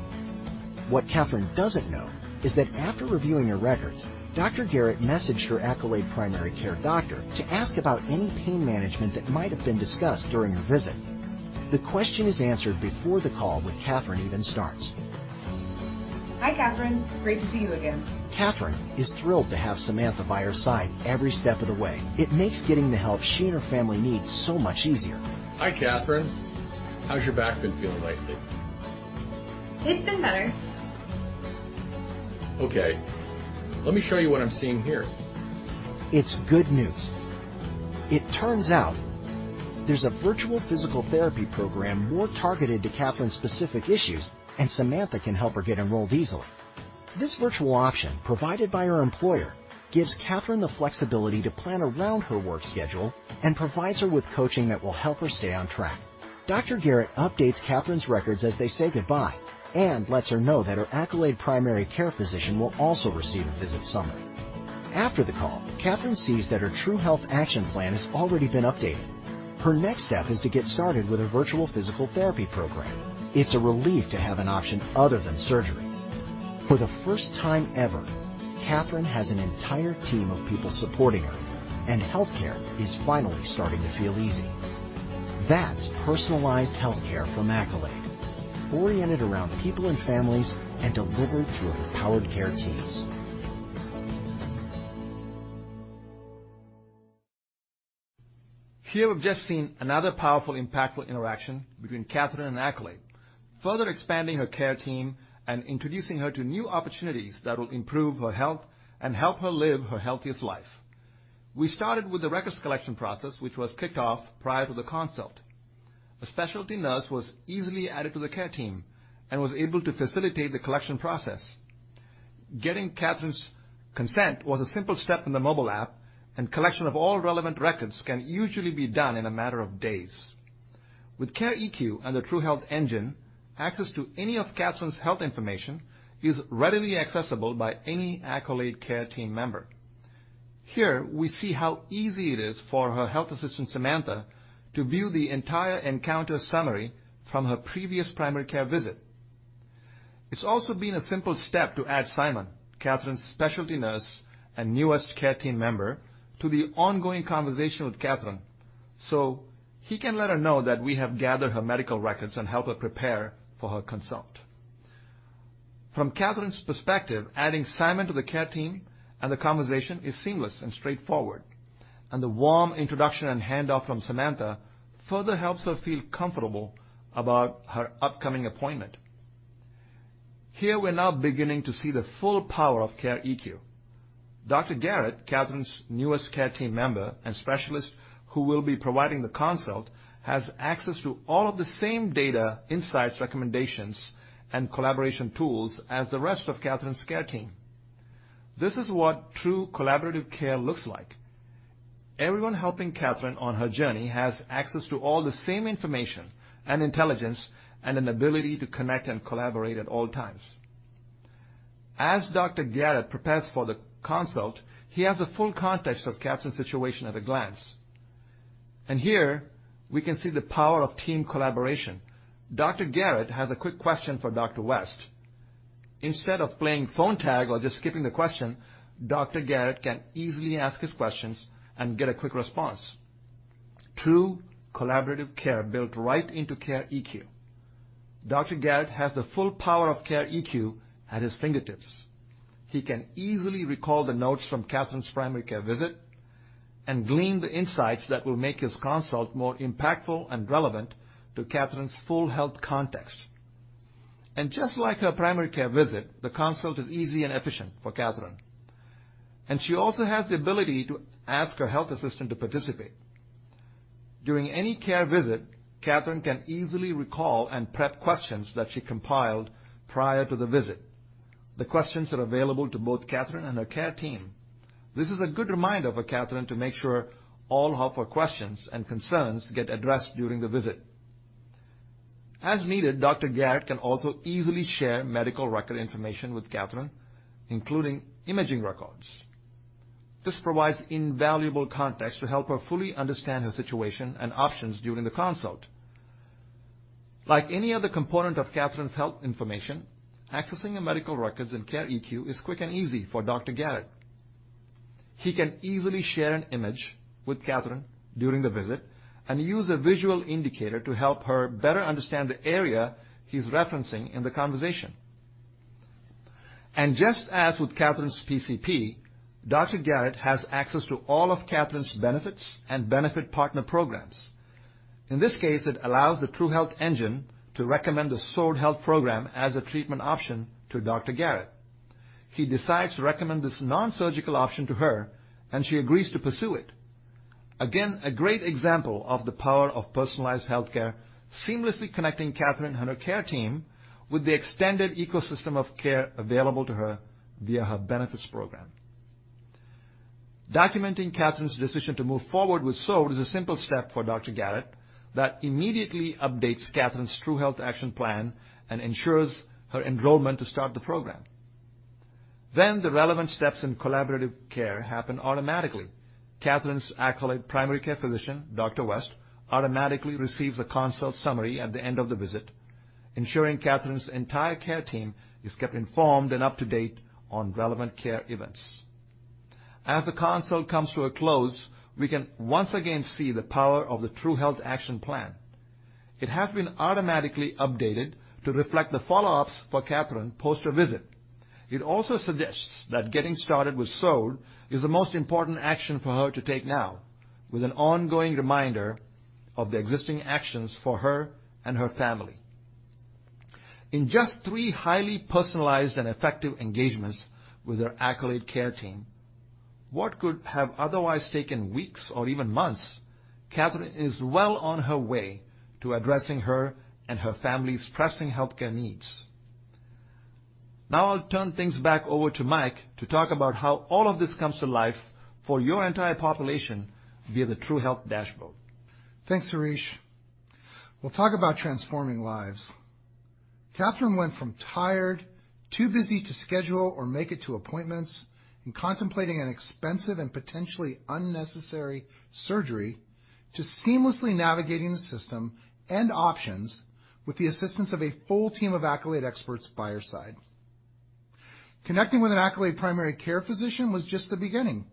What Katherine doesn't know is that after reviewing her records, Dr. Garrett messaged her Accolade primary care doctor to ask about any pain management that might have been discussed during her visit. The question is answered before the call with Katherine even starts. Hi, Katherine. Great to see you again. Katherine is thrilled to have Samantha by her side every step of the way. It makes getting the help she and her family need so much easier. Hi, Katherine. How's your back been feeling lately? It's been better. Okay. Let me show you what I'm seeing here. It's good news. It turns out there's a virtual physical therapy program more targeted to Katherine's specific issues, and Samantha can help her get enrolled easily. This virtual option, provided by her employer, gives Katherine the flexibility to plan around her work schedule and provides her with coaching that will help her stay on track. Dr. Garrett updates Katherine's records as they say goodbye and lets her know that her Accolade primary care physician will also receive a visit summary. After the call, Katherine sees that her True Health Action Plan has already been updated. Her next step is to get started with her virtual physical therapy program. It's a relief to have an option other than surgery. For the first time ever, Katherine has an entire team of people supporting her, and healthcare is finally starting to feel easy. That's Personalized Healthcare from Accolade, oriented around people and families and delivered through empowered care teams. Here we've just seen another powerful, impactful interaction between Katherine and Accolade, further expanding her care team and introducing her to new opportunities that will improve her health and help her live her healthiest life. We started with the records collection process, which was kicked off prior to the consult. A specialty nurse was easily added to the care team and was able to facilitate the collection process. Getting Katherine's consent was a simple step in the mobile app, and collection of all relevant records can usually be done in a matter of days. With Care EQ and the True Health Engine, access to any of Katherine's health information is readily accessible by any Accolade care team member. Here we see how easy it is for her health assistant, Samantha, to view the entire encounter summary from her previous primary care visit. It's also been a simple step to add Simon, Katherine's specialty nurse and newest care team member, to the ongoing conversation with Katherine, so he can let her know that we have gathered her medical records and help her prepare for her consult. From Katherine's perspective, adding Simon to the care team and the conversation is seamless and straightforward, and the warm introduction and handoff from Samantha further helps her feel comfortable about her upcoming appointment. Here, we're now beginning to see the full power of Care EQ. Dr. Garrett, Katherine's newest care team member and specialist who will be providing the consult, has access to all of the same data, insights, recommendations, and collaboration tools as the rest of Katherine's care team. This is what true collaborative care looks like. Everyone helping Katherine on her journey has access to all the same information and intelligence and an ability to connect and collaborate at all times. As Dr. Garrett prepares for the consult, he has the full context of Katherine's situation at a glance. Here we can see the power of team collaboration. Dr. Garrett has a quick question for Dr. West. Instead of playing phone tag or just skipping the question, Dr. Garrett can easily ask his questions and get a quick response. True collaborative care built right into Care EQ. Dr. Garrett has the full power of Care EQ at his fingertips. He can easily recall the notes from Katherine's primary care visit and glean the insights that will make his consult more impactful and relevant to Katherine's full health context. Just like her primary care visit, the consult is easy and efficient for Katherine, and she also has the ability to ask her health assistant to participate. During any care visit, Katherine can easily recall and prep questions that she compiled prior to the visit. The questions are available to both Katherine and her care team. This is a good reminder for Katherine to make sure all of her questions and concerns get addressed during the visit. As needed, Dr. Garrett can also easily share medical record information with Katherine, including imaging records. This provides invaluable context to help her fully understand her situation and options during the consult. Like any other component of Katherine's health information, accessing her medical records in Care EQ is quick and easy for Dr. Garrett. He can easily share an image with Katherine during the visit and use a visual indicator to help her better understand the area he's referencing in the conversation. Just as with Katherine's PCP, Dr. Garrett has access to all of Katherine's benefits and benefit partner programs. In this case, it allows the True Health Engine to recommend the Sword Health program as a treatment option to Dr. Garrett. He decides to recommend this non-surgical option to her, and she agrees to pursue it. Again, a great example of the power of Personalized Healthcare seamlessly connecting Katherine and her care team with the extended ecosystem of care available to her via her benefits program. Documenting Katherine's decision to move forward with Sword is a simple step for Dr. Garrett that immediately updates Katherine's True Health Action Plan and ensures her enrollment to start the program. The relevant steps in collaborative care happen automatically. Katherine Olsen's Accolade primary care physician, Dr. West, automatically receives a consult summary at the end of the visit, ensuring Katherine's entire care team is kept informed and up to date on relevant care events. The consult comes to a close, we can once again see the power of the True Health Action Plan. It has been automatically updated to reflect the follow-ups for Katherine post her visit. It also suggests that getting started with Sword is the most important action for her to take now with an ongoing reminder of the existing actions for her and her family. In just three highly personalized and effective engagements with her Accolade care team, what could have otherwise taken weeks or even months, Katherine is well on her way to addressing her and her family's pressing healthcare needs. I'll turn things back over to Mike to talk about how all of this comes to life for your entire population via the True Health Dashboard. Thanks, Harish. Well, talk about transforming lives. Katherine Olsen went from tired, too busy to schedule or make it to appointments, and contemplating an expensive and potentially unnecessary surgery to seamlessly navigating the system and options with the assistance of a full team of Accolade experts by her side. Connecting with an Accolade primary care physician was just the beginning.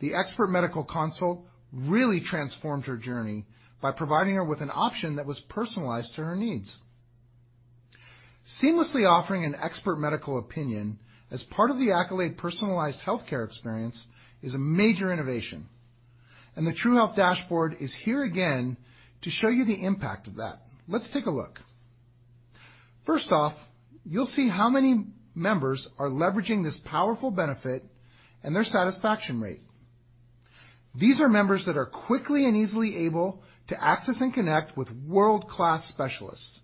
The expert medical consult really transformed her journey by providing her with an option that was personalized to her needs. Seamlessly offering an expert medical opinion as part of the Accolade Personalized Healthcare experience is a major innovation. The True Health Dashboard is here again to show you the impact of that. Let's take a look. First off, you'll see how many members are leveraging this powerful benefit and their satisfaction rate. These are members that are quickly and easily able to access and connect with world-class specialists.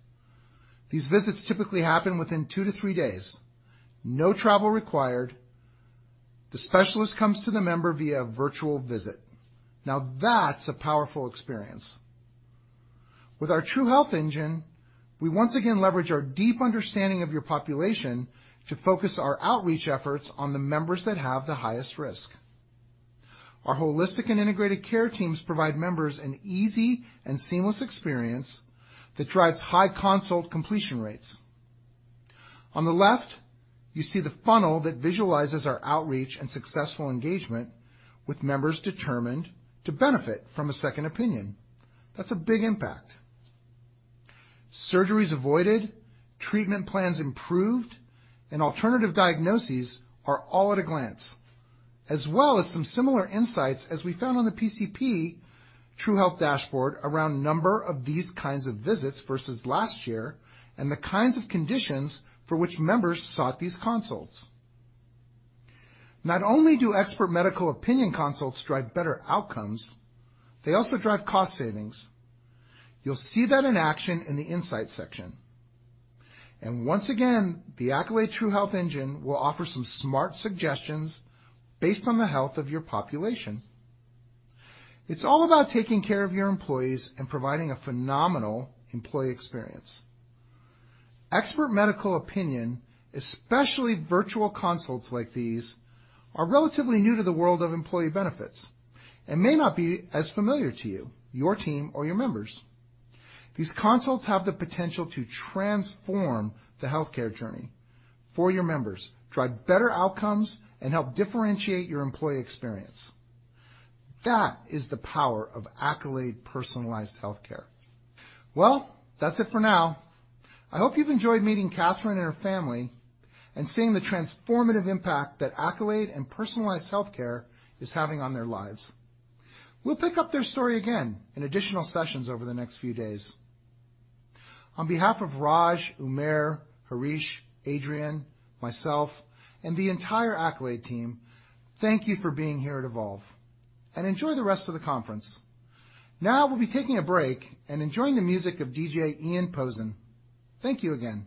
These visits typically happen within two to three days. No travel required. The specialist comes to the member via a virtual visit. That's a powerful experience. With our True Health Engine, we once again leverage our deep understanding of your population to focus our outreach efforts on the members that have the highest risk. Our holistic and integrated care teams provide members an easy and seamless experience that drives high consult completion rates. On the left, you see the funnel that visualizes our outreach and successful engagement with members determined to benefit from a second opinion. That's a big impact. Surgeries avoided, treatment plans improved, and alternative diagnoses are all at a glance, as well as some similar insights as we found on the PCP True Health Dashboard around number of these kinds of visits versus last year and the kinds of conditions for which members sought these consults. Not only do expert medical opinion consults drive better outcomes, they also drive cost savings. You'll see that in action in the insight section. Once again, the Accolade True Health Engine will offer some smart suggestions based on the health of your population. It's all about taking care of your employees and providing a phenomenal employee experience. Expert medical opinion, especially virtual consults like these, are relatively new to the world of employee benefits and may not be as familiar to you, your team, or your members. These consults have the potential to transform the healthcare journey for your members, drive better outcomes, and help differentiate your employee experience. That is the power of Accolade Personalized Healthcare. Well, that's it for now. I hope you've enjoyed meeting Katherine and her family and seeing the transformative impact that Accolade and Personalized Healthcare is having on their lives. We'll pick up their story again in additional sessions over the next few days. On behalf of Raj, Umair, Harish, Adrian, myself, and the entire Accolade team, thank you for being here at Evolve and enjoy the rest of the conference. Now we'll be taking a break and enjoying the music of DJ Ian Poison. Thank you again.